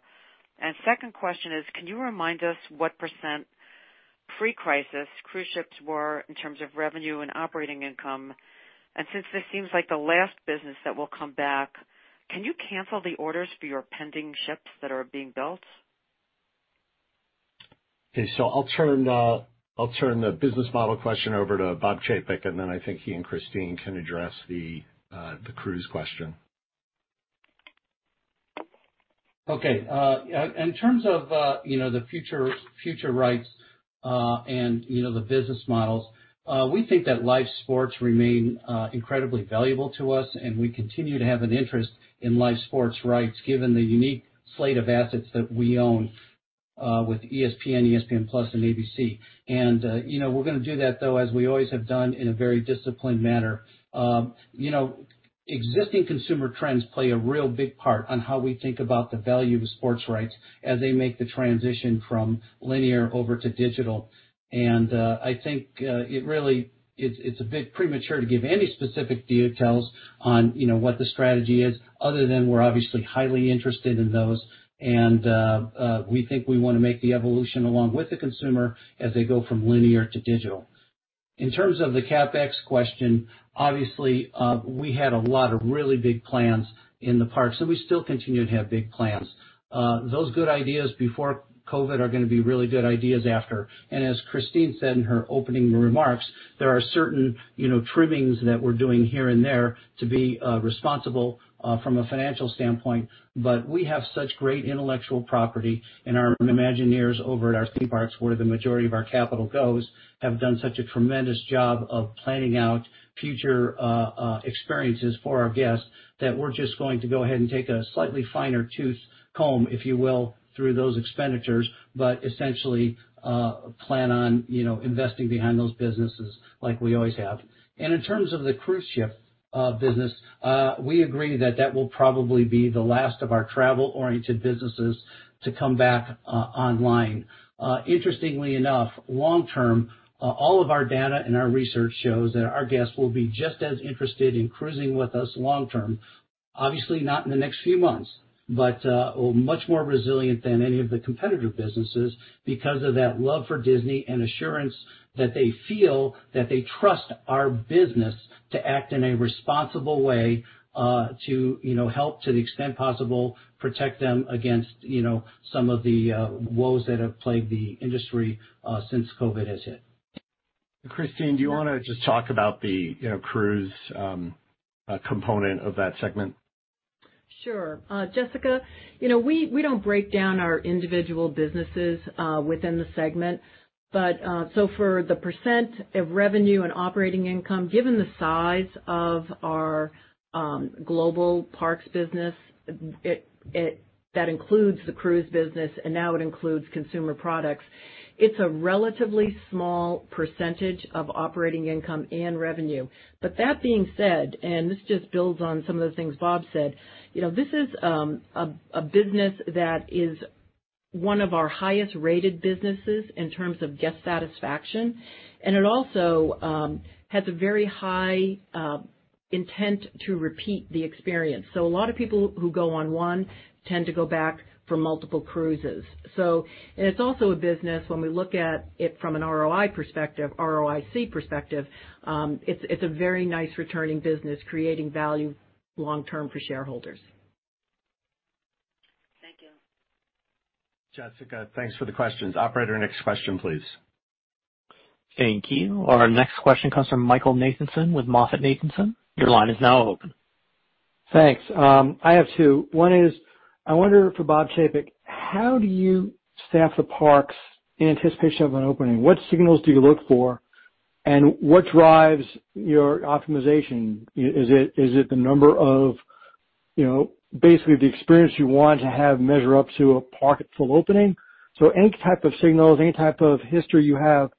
Second question is, can you remind us what % pre-crisis cruise ships were in terms of revenue and operating income? Since this seems like the last business that will come back, can you cancel the orders for your pending ships that are being built? Okay. I'll turn the business model question over to Bob Chapek. I think he and Christine can address the cruise question. Okay. In terms of the future rights and the business models, we think that live sports remain incredibly valuable to us, and we continue to have an interest in live sports rights given the unique slate of assets that we own, with ESPN+, and ABC. We're going to do that, though, as we always have done in a very disciplined manner. Existing consumer trends play a real big part on how we think about the value of sports rights as they make the transition from linear over to digital. I think it's a bit premature to give any specific details on what the strategy is other than we're obviously highly interested in those. We think we want to make the evolution along with the consumer as they go from linear to digital. In terms of the CapEx question, obviously, we had a lot of really big plans in the parks, and we still continue to have big plans. Those good ideas before COVID are going to be really good ideas after. As Christine said in her opening remarks, there are certain trimmings that we're doing here and there to be responsible from a financial standpoint. We have such great intellectual property, and our Imagineers over at our theme parks, where the majority of our capital goes, have done such a tremendous job of planning out future experiences for our guests that we're just going to go ahead and take a slightly finer tooth comb, if you will, through those expenditures, but essentially plan on investing behind those businesses like we always have. In terms of the cruise ship business, we agree that that will probably be the last of our travel-oriented businesses to come back online. Interestingly enough, long term, all of our data and our research shows that our guests will be just as interested in cruising with us long term. Obviously not in the next few months, but much more resilient than any of the competitor businesses because of that love for Disney and assurance that they feel that they trust our business to act in a responsible way to help to the extent possible, protect them against some of the woes that have plagued the industry since COVID has hit. Christine, do you want to just talk about the cruise component of that segment? Sure. Jessica, we don't break down our individual businesses within the segment. For the % of revenue and operating income, given the size of our global Parks business, that includes the cruise business, and now it includes consumer products, it's a relatively small % of operating income and revenue. That being said, and this just builds on some of the things Bob said, this is a business that is one of our highest-rated businesses in terms of guest satisfaction, and it also has a very high intent to repeat the experience. A lot of people who go on one tend to go back for multiple cruises. It's also a business, when we look at it from an ROI perspective, ROIC perspective, it's a very nice returning business, creating value long term for shareholders. Jessica, thanks for the questions. Operator, next question, please. Thank you. Our next question comes from Michael Nathanson with MoffettNathanson. Your line is now open. Thanks. I have two. One is, I wonder for Bob Chapek, how do you staff the parks in anticipation of an opening? What signals do you look for, and what drives your optimization? Is it the number of basically the experience you want to have measure up to a park at full opening? Any type of signals, any type of history you have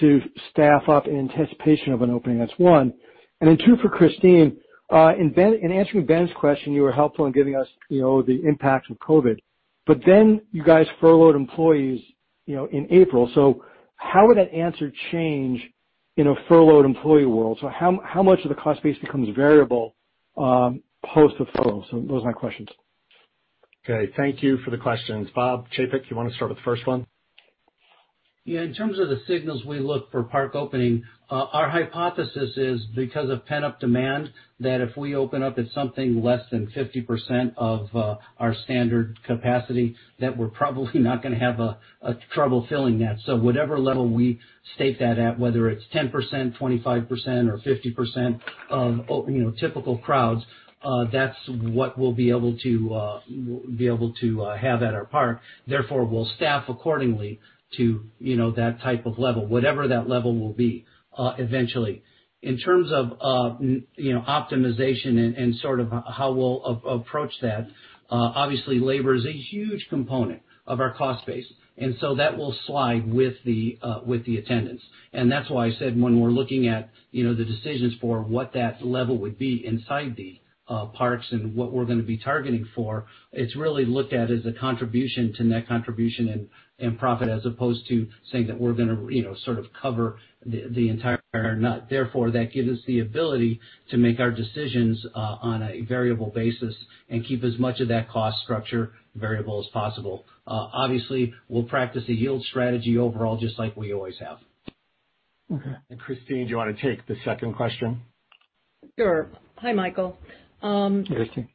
to staff up in anticipation of an opening. That's one. Two for Christine. In answering Ben's question, you were helpful in giving us the impact of COVID, you guys furloughed employees in April. How would that answer change in a furloughed employee world? How much of the cost base becomes variable post the furlough? Those are my questions. Okay. Thank you for the questions. Bob Chapek, you want to start with the first one? Yeah. In terms of the signals we look for park opening, our hypothesis is because of pent-up demand, that if we open up at something less than 50% of our standard capacity, that we're probably not going to have trouble filling that. Whatever level we state that at, whether it's 10%, 25%, or 50% of typical crowds, that's what we'll be able to have at our park. Therefore, we'll staff accordingly to that type of level, whatever that level will be eventually. In terms of optimization and sort of how we'll approach that, obviously labor is a huge component of our cost base, and so that will slide with the attendance. That's why I said when we're looking at the decisions for what that level would be inside the parks and what we're going to be targeting for, it's really looked at as a contribution to net contribution and profit as opposed to saying that we're going to sort of cover the entire nut. That gives us the ability to make our decisions on a variable basis and keep as much of that cost structure variable as possible. We'll practice a yield strategy overall just like we always have. Okay. Christine, do you want to take the second question? Sure. Hi, Michael. Hi, Christine.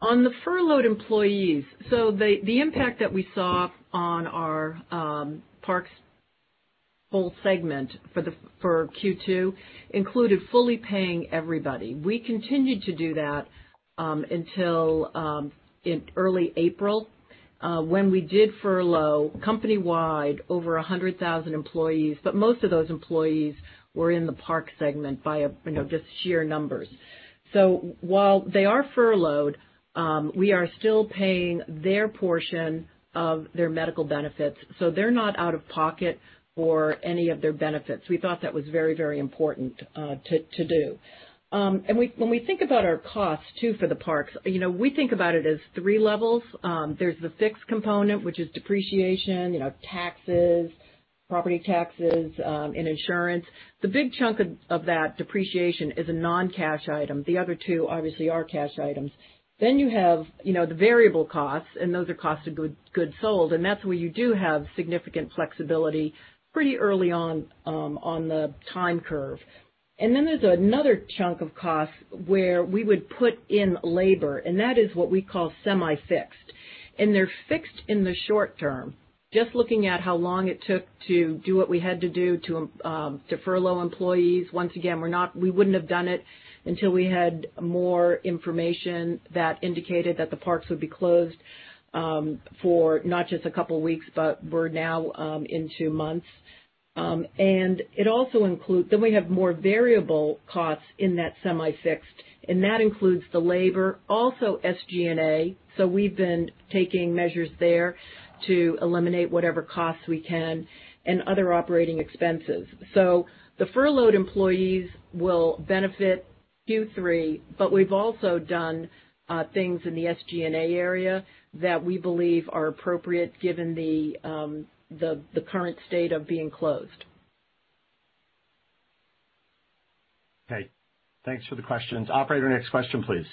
On the furloughed employees, the impact that we saw on our parks' whole segment for Q2 included fully paying everybody. We continued to do that until early April, when we did furlough company-wide over 100,000 employees, but most of those employees were in the park segment via just sheer numbers. While they are furloughed, we are still paying their portion of their medical benefits, so they're not out of pocket for any of their benefits. We thought that was very important to do. When we think about our costs too for the parks, we think about it as three levels. There's the fixed component, which is depreciation, taxes, property taxes, and insurance. The big chunk of that depreciation is a non-cash item. The other two obviously are cash items. You have the variable costs, and those are cost of goods sold, and that's where you do have significant flexibility pretty early on the time curve. There's another chunk of costs where we would put in labor, and that is what we call semi-fixed. They're fixed in the short term. Just looking at how long it took to do what we had to do to furlough employees. Once again, we wouldn't have done it until we had more information that indicated that the parks would be closed for not just a couple of weeks, but we're now into months. We have more variable costs in that semi-fixed, and that includes the labor, also SG&A. We've been taking measures there to eliminate whatever costs we can and other operating expenses. The furloughed employees will benefit Q3, but we've also done things in the SG&A area that we believe are appropriate given the current state of being closed. Okay. Thanks for the questions. Operator, next question, please.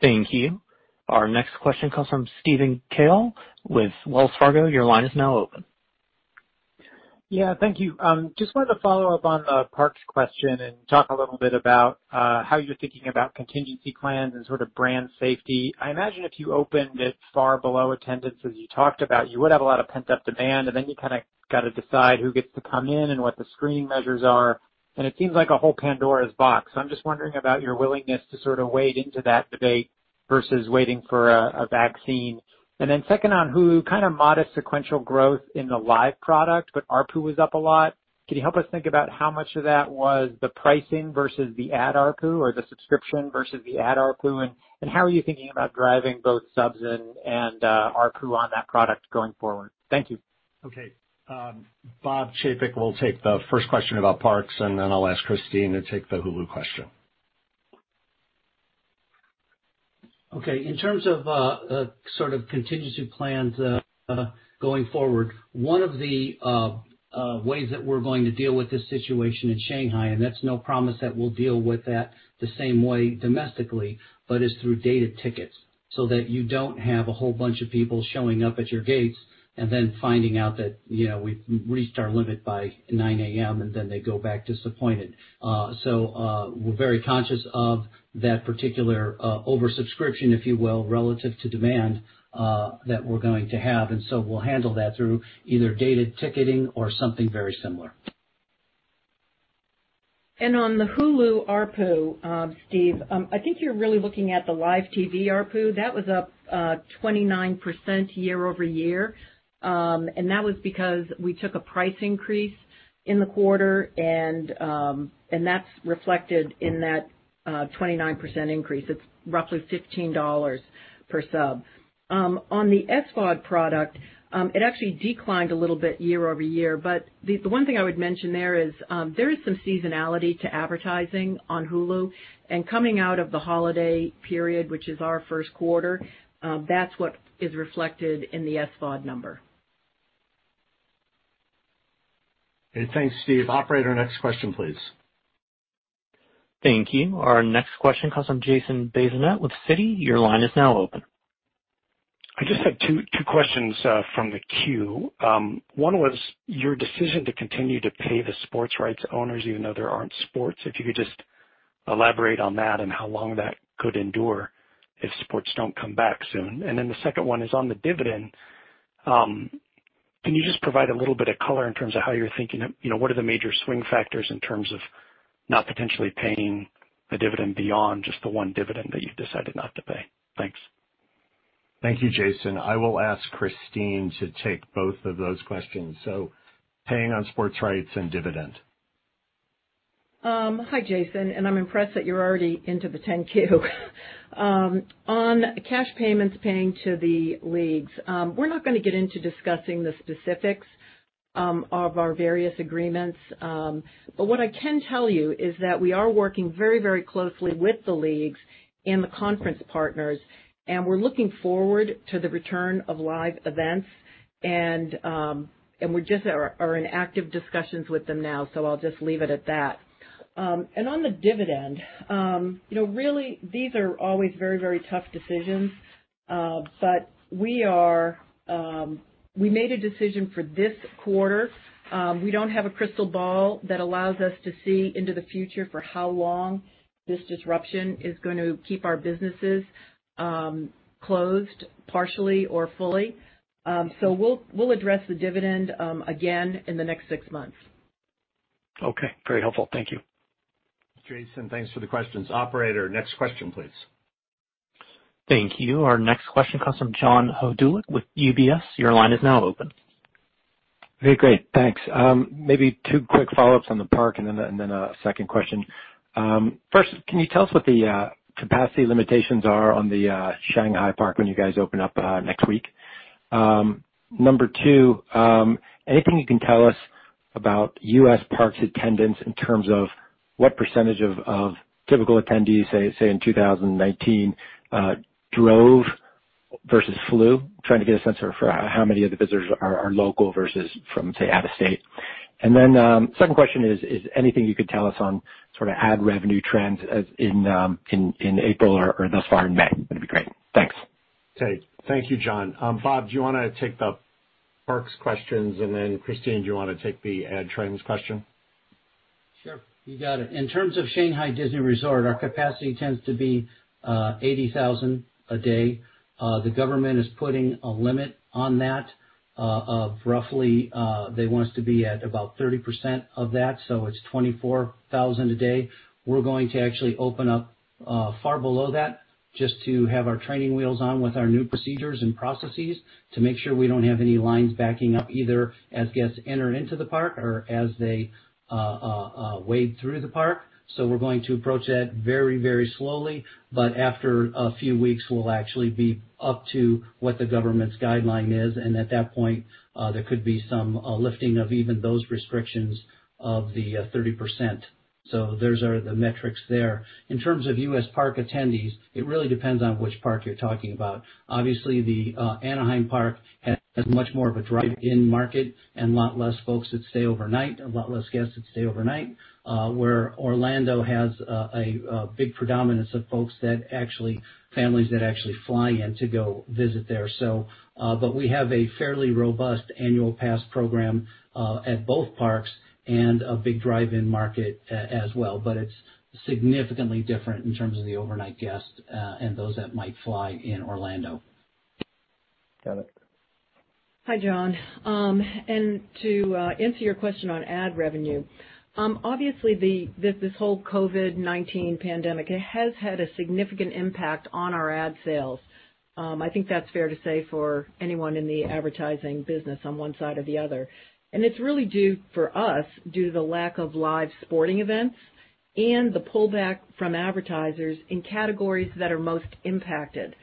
Thank you. Our next question comes from Steven Cahall with Wells Fargo. Your line is now open. Yeah, thank you. Just wanted to follow up on the parks question and talk a little bit about how you're thinking about contingency plans and sort of brand safety. I imagine if you opened at far below attendance as you talked about, you would have a lot of pent-up demand, and then you kind of got to decide who gets to come in and what the screening measures are. It seems like a whole Pandora's box. I'm just wondering about your willingness to sort of wade into that debate versus waiting for a vaccine. Second on Hulu, kind of modest sequential growth in the live product, but ARPU was up a lot. Can you help us think about how much of that was the pricing versus the ad ARPU or the subscription versus the ad ARPU? How are you thinking about driving both subs and ARPU on that product going forward? Thank you. Okay. Bob Chapek will take the first question about parks, and then I'll ask Christine to take the Hulu question. Okay. In terms of sort of contingency plans going forward, one of the ways that we're going to deal with this situation in Shanghai, that's no promise that we'll deal with that the same way domestically, is through dated tickets so that you don't have a whole bunch of people showing up at your gates then finding out that we've reached our limit by 9:00 A.M., then they go back disappointed. We're very conscious of that particular oversubscription, if you will, relative to demand that we're going to have. We'll handle that through either dated ticketing or something very similar. On the Hulu ARPU, Steven, I think you're really looking at the live TV ARPU. That was up 29% year-over-year. That was because we took a price increase in the quarter, and that's reflected in that 29% increase. It's roughly $15 per sub. On the SVOD product, it actually declined a little bit year-over-year. The one thing I would mention there is, there is some seasonality to advertising on Hulu. Coming out of the holiday period, which is our first quarter, that's what is reflected in the SVOD number. Okay. Thanks, Steven. Operator, next question, please. Thank you. Our next question comes from Jason Bazinet with Citi. Your line is now open. I just had two questions from the queue. One was your decision to continue to pay the sports rights owners even though there aren't sports. If you could just elaborate on that and how long that could endure if sports don't come back soon. The second one is on the dividend. Can you just provide a little bit of color in terms of how you're thinking, what are the major swing factors in terms of not potentially paying a dividend beyond just the one dividend that you've decided not to pay? Thanks. Thank you, Jason. I will ask Christine to take both of those questions, paying on sports rights and dividend. Hi, Jason. I'm impressed that you're already into the 10-Q. On cash payments paying to the leagues. We're not going to get into discussing the specifics of our various agreements. What I can tell you is that we are working very closely with the leagues and the conference partners, and we're looking forward to the return of live events. We just are in active discussions with them now. I'll just leave it at that. On the dividend, really these are always very tough decisions. We made a decision for this quarter. We don't have a crystal ball that allows us to see into the future for how long this disruption is going to keep our businesses closed partially or fully. We'll address the dividend again in the next six months. Okay. Very helpful. Thank you. Jason, thanks for the questions. Operator, next question, please. Thank you. Our next question comes from John Hodulik with UBS. Your line is now open. Very great. Thanks. Maybe two quick follow-ups on the park and then a second question. First, can you tell us what the capacity limitations are on the Shanghai park when you guys open up next week? Number two, anything you can tell us about U.S. parks attendance in terms of what percentage of typical attendees, say in 2019, drove versus flew? Trying to get a sense for how many of the visitors are local versus from, say, out of state. Second question is anything you could tell us on ad revenue trends in April or thus far in May? That'd be great. Thanks. Okay. Thank you, John. Bob, do you want to take the parks questions, and then Christine, do you want to take the ad trends question? Sure. You got it. In terms of Shanghai Disney Resort, our capacity tends to be 80,000 a day. The government is putting a limit on that of roughly, they want us to be at about 30% of that, so it's 24,000 a day. We're going to actually open up far below that, just to have our training wheels on with our new procedures and processes to make sure we don't have any lines backing up, either as guests enter into the park or as they wade through the park. We're going to approach that very slowly, but after a few weeks, we'll actually be up to what the government's guideline is. At that point, there could be some lifting of even those restrictions of the 30%. Those are the metrics there. In terms of U.S. park attendees, it really depends on which park you're talking about. The Anaheim Park has much more of a drive-in market and a lot less folks that stay overnight, a lot less guests that stay overnight. Where Orlando has a big predominance of folks that actually, families that actually fly in to go visit there. We have a fairly robust annual pass program at both parks and a big drive-in market as well. It's significantly different in terms of the overnight guests, and those that might fly in Orlando. Got it. Hi, John. To answer your question on ad revenue. Obviously this whole COVID-19 pandemic has had a significant impact on our ad sales. I think that's fair to say for anyone in the advertising business on one side or the other. It's really due, for us, due to the lack of live sporting events and the pullback from advertisers in categories that are most impacted.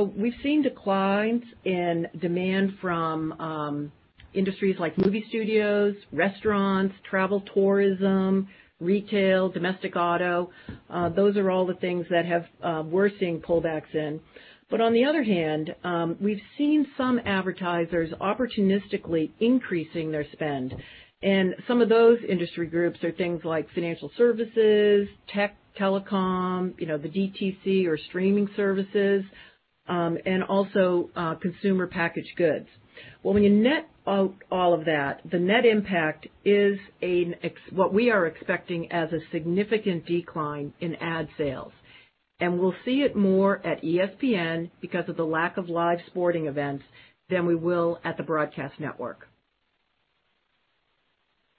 We've seen declines in demand from industries like movie studios, restaurants, travel tourism, retail, domestic auto. Those are all the things that we're seeing pullbacks in. On the other hand, we've seen some advertisers opportunistically increasing their spend. Some of those industry groups are things like financial services, tech, telecom, the DTC or streaming services, and also consumer packaged goods. Well, when you net out all of that, the net impact is what we are expecting as a significant decline in ad sales. We'll see it more at ESPN because of the lack of live sporting events than we will at the broadcast network.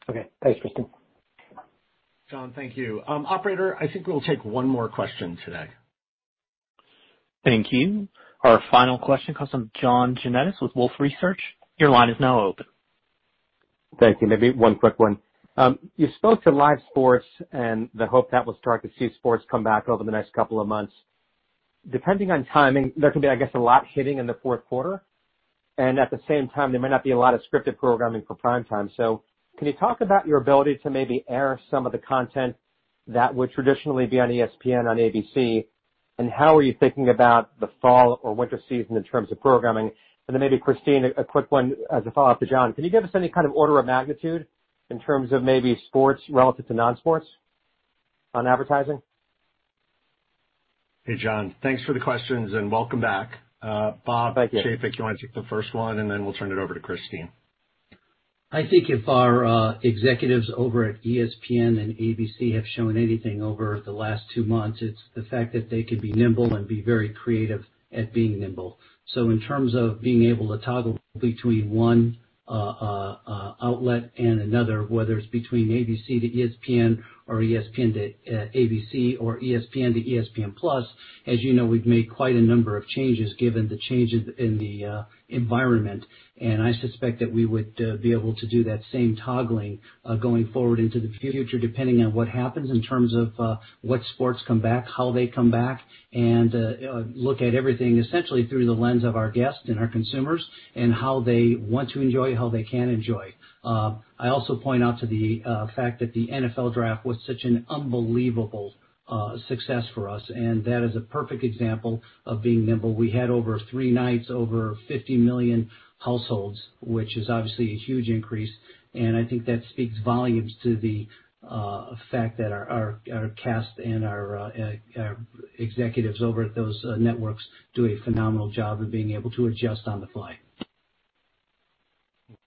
Okay. Thanks, Christine. John, thank you. Operator, I think we'll take one more question today. Thank you. Our final question comes from John Janedis with Wolfe Research. Your line is now open. Thank you. Maybe one quick one. You spoke to live sports and the hope that we'll start to see sports come back over the next couple of months. Depending on timing, there can be, I guess, a lot hitting in the fourth quarter, and at the same time, there might not be a lot of scripted programming for prime time. Can you talk about your ability to maybe air some of the content that would traditionally be on ESPN on ABC, and how are you thinking about the fall or winter season in terms of programming? Maybe Christine, a quick one as a follow-up to John. Can you give us any kind of order of magnitude in terms of maybe sports relative to non-sports on advertising? Hey, John. Thanks for the questions, and welcome back. Thank you. Bob Chapek, do you want to take the first one, and then we'll turn it over to Christine? I think if our executives over at ESPN and ABC have shown anything over the last two months, it is the fact that they can be nimble and be very creative at being nimble. In terms of being able to toggle between one outlet and another, whether it is between ABC to ESPN or ESPN to ABC or ESPN to ESPN+. As you know, we have made quite a number of changes given the changes in the environment. I suspect that we would be able to do that same toggling going forward into the future, depending on what happens in terms of what sports come back, how they come back, and look at everything essentially through the lens of our guests and our consumers and how they want to enjoy, how they can enjoy. I also point out to the fact that the NFL Draft was such an unbelievable success for us, and that is a perfect example of being nimble. We had over three nights over 50 million households, which is obviously a huge increase, and I think that speaks volumes to the fact that our cast and our executives over at those networks do a phenomenal job of being able to adjust on the fly.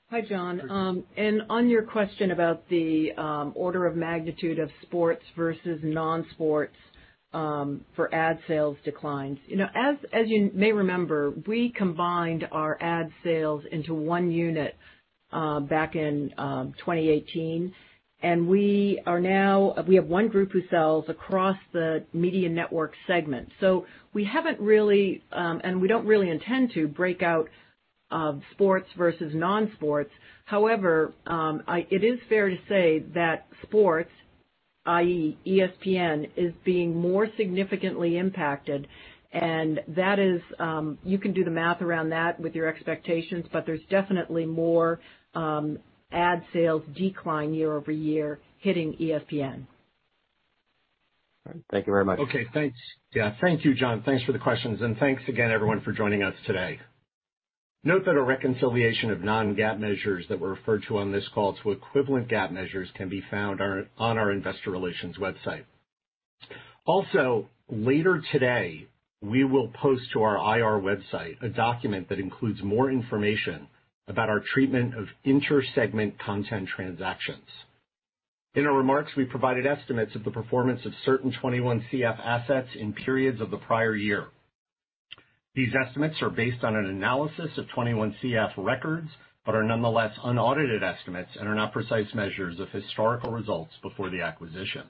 Hi, John. On your question about the order of magnitude of sports versus non-sports for ad sales declines. As you may remember, we combined our ad sales into one unit back in 2018, and we have one group who sells across the media network segment. We haven't really, and we don't really intend to, break out sports versus non-sports. However, it is fair to say that sports, i.e. ESPN, is being more significantly impacted, and you can do the math around that with your expectations, but there's definitely more ad sales decline year-over-year hitting ESPN. Thank you very much. Okay, thanks. Yeah. Thank you, John. Thanks for the questions. Thanks again, everyone, for joining us today. Note that a reconciliation of non-GAAP measures that were referred to on this call to equivalent GAAP measures can be found on our investor relations website. Also, later today, we will post to our IR website a document that includes more information about our treatment of inter-segment content transactions. In our remarks, we provided estimates of the performance of certain 21CF assets in periods of the prior year. These estimates are based on an analysis of 21CF records but are nonetheless unaudited estimates and are not precise measures of historical results before the acquisition.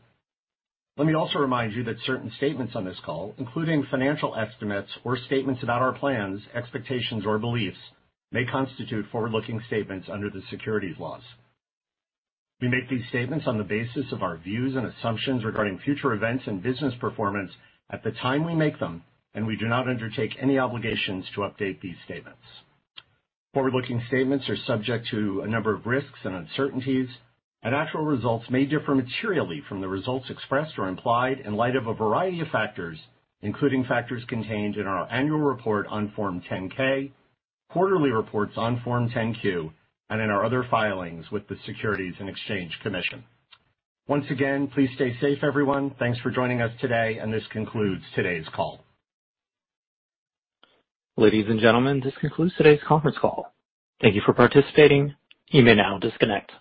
Let me also remind you that certain statements on this call, including financial estimates or statements about our plans, expectations, or beliefs, may constitute forward-looking statements under the securities laws. We make these statements on the basis of our views and assumptions regarding future events and business performance at the time we make them, and we do not undertake any obligations to update these statements. Forward-looking statements are subject to a number of risks and uncertainties, and actual results may differ materially from the results expressed or implied in light of a variety of factors, including factors contained in our annual report on Form 10-K, quarterly reports on Form 10-Q, and in our other filings with the Securities and Exchange Commission. Once again, please stay safe, everyone. Thanks for joining us today, and this concludes today's call. Ladies and gentlemen, this concludes today's conference call. Thank you for participating. You may now disconnect.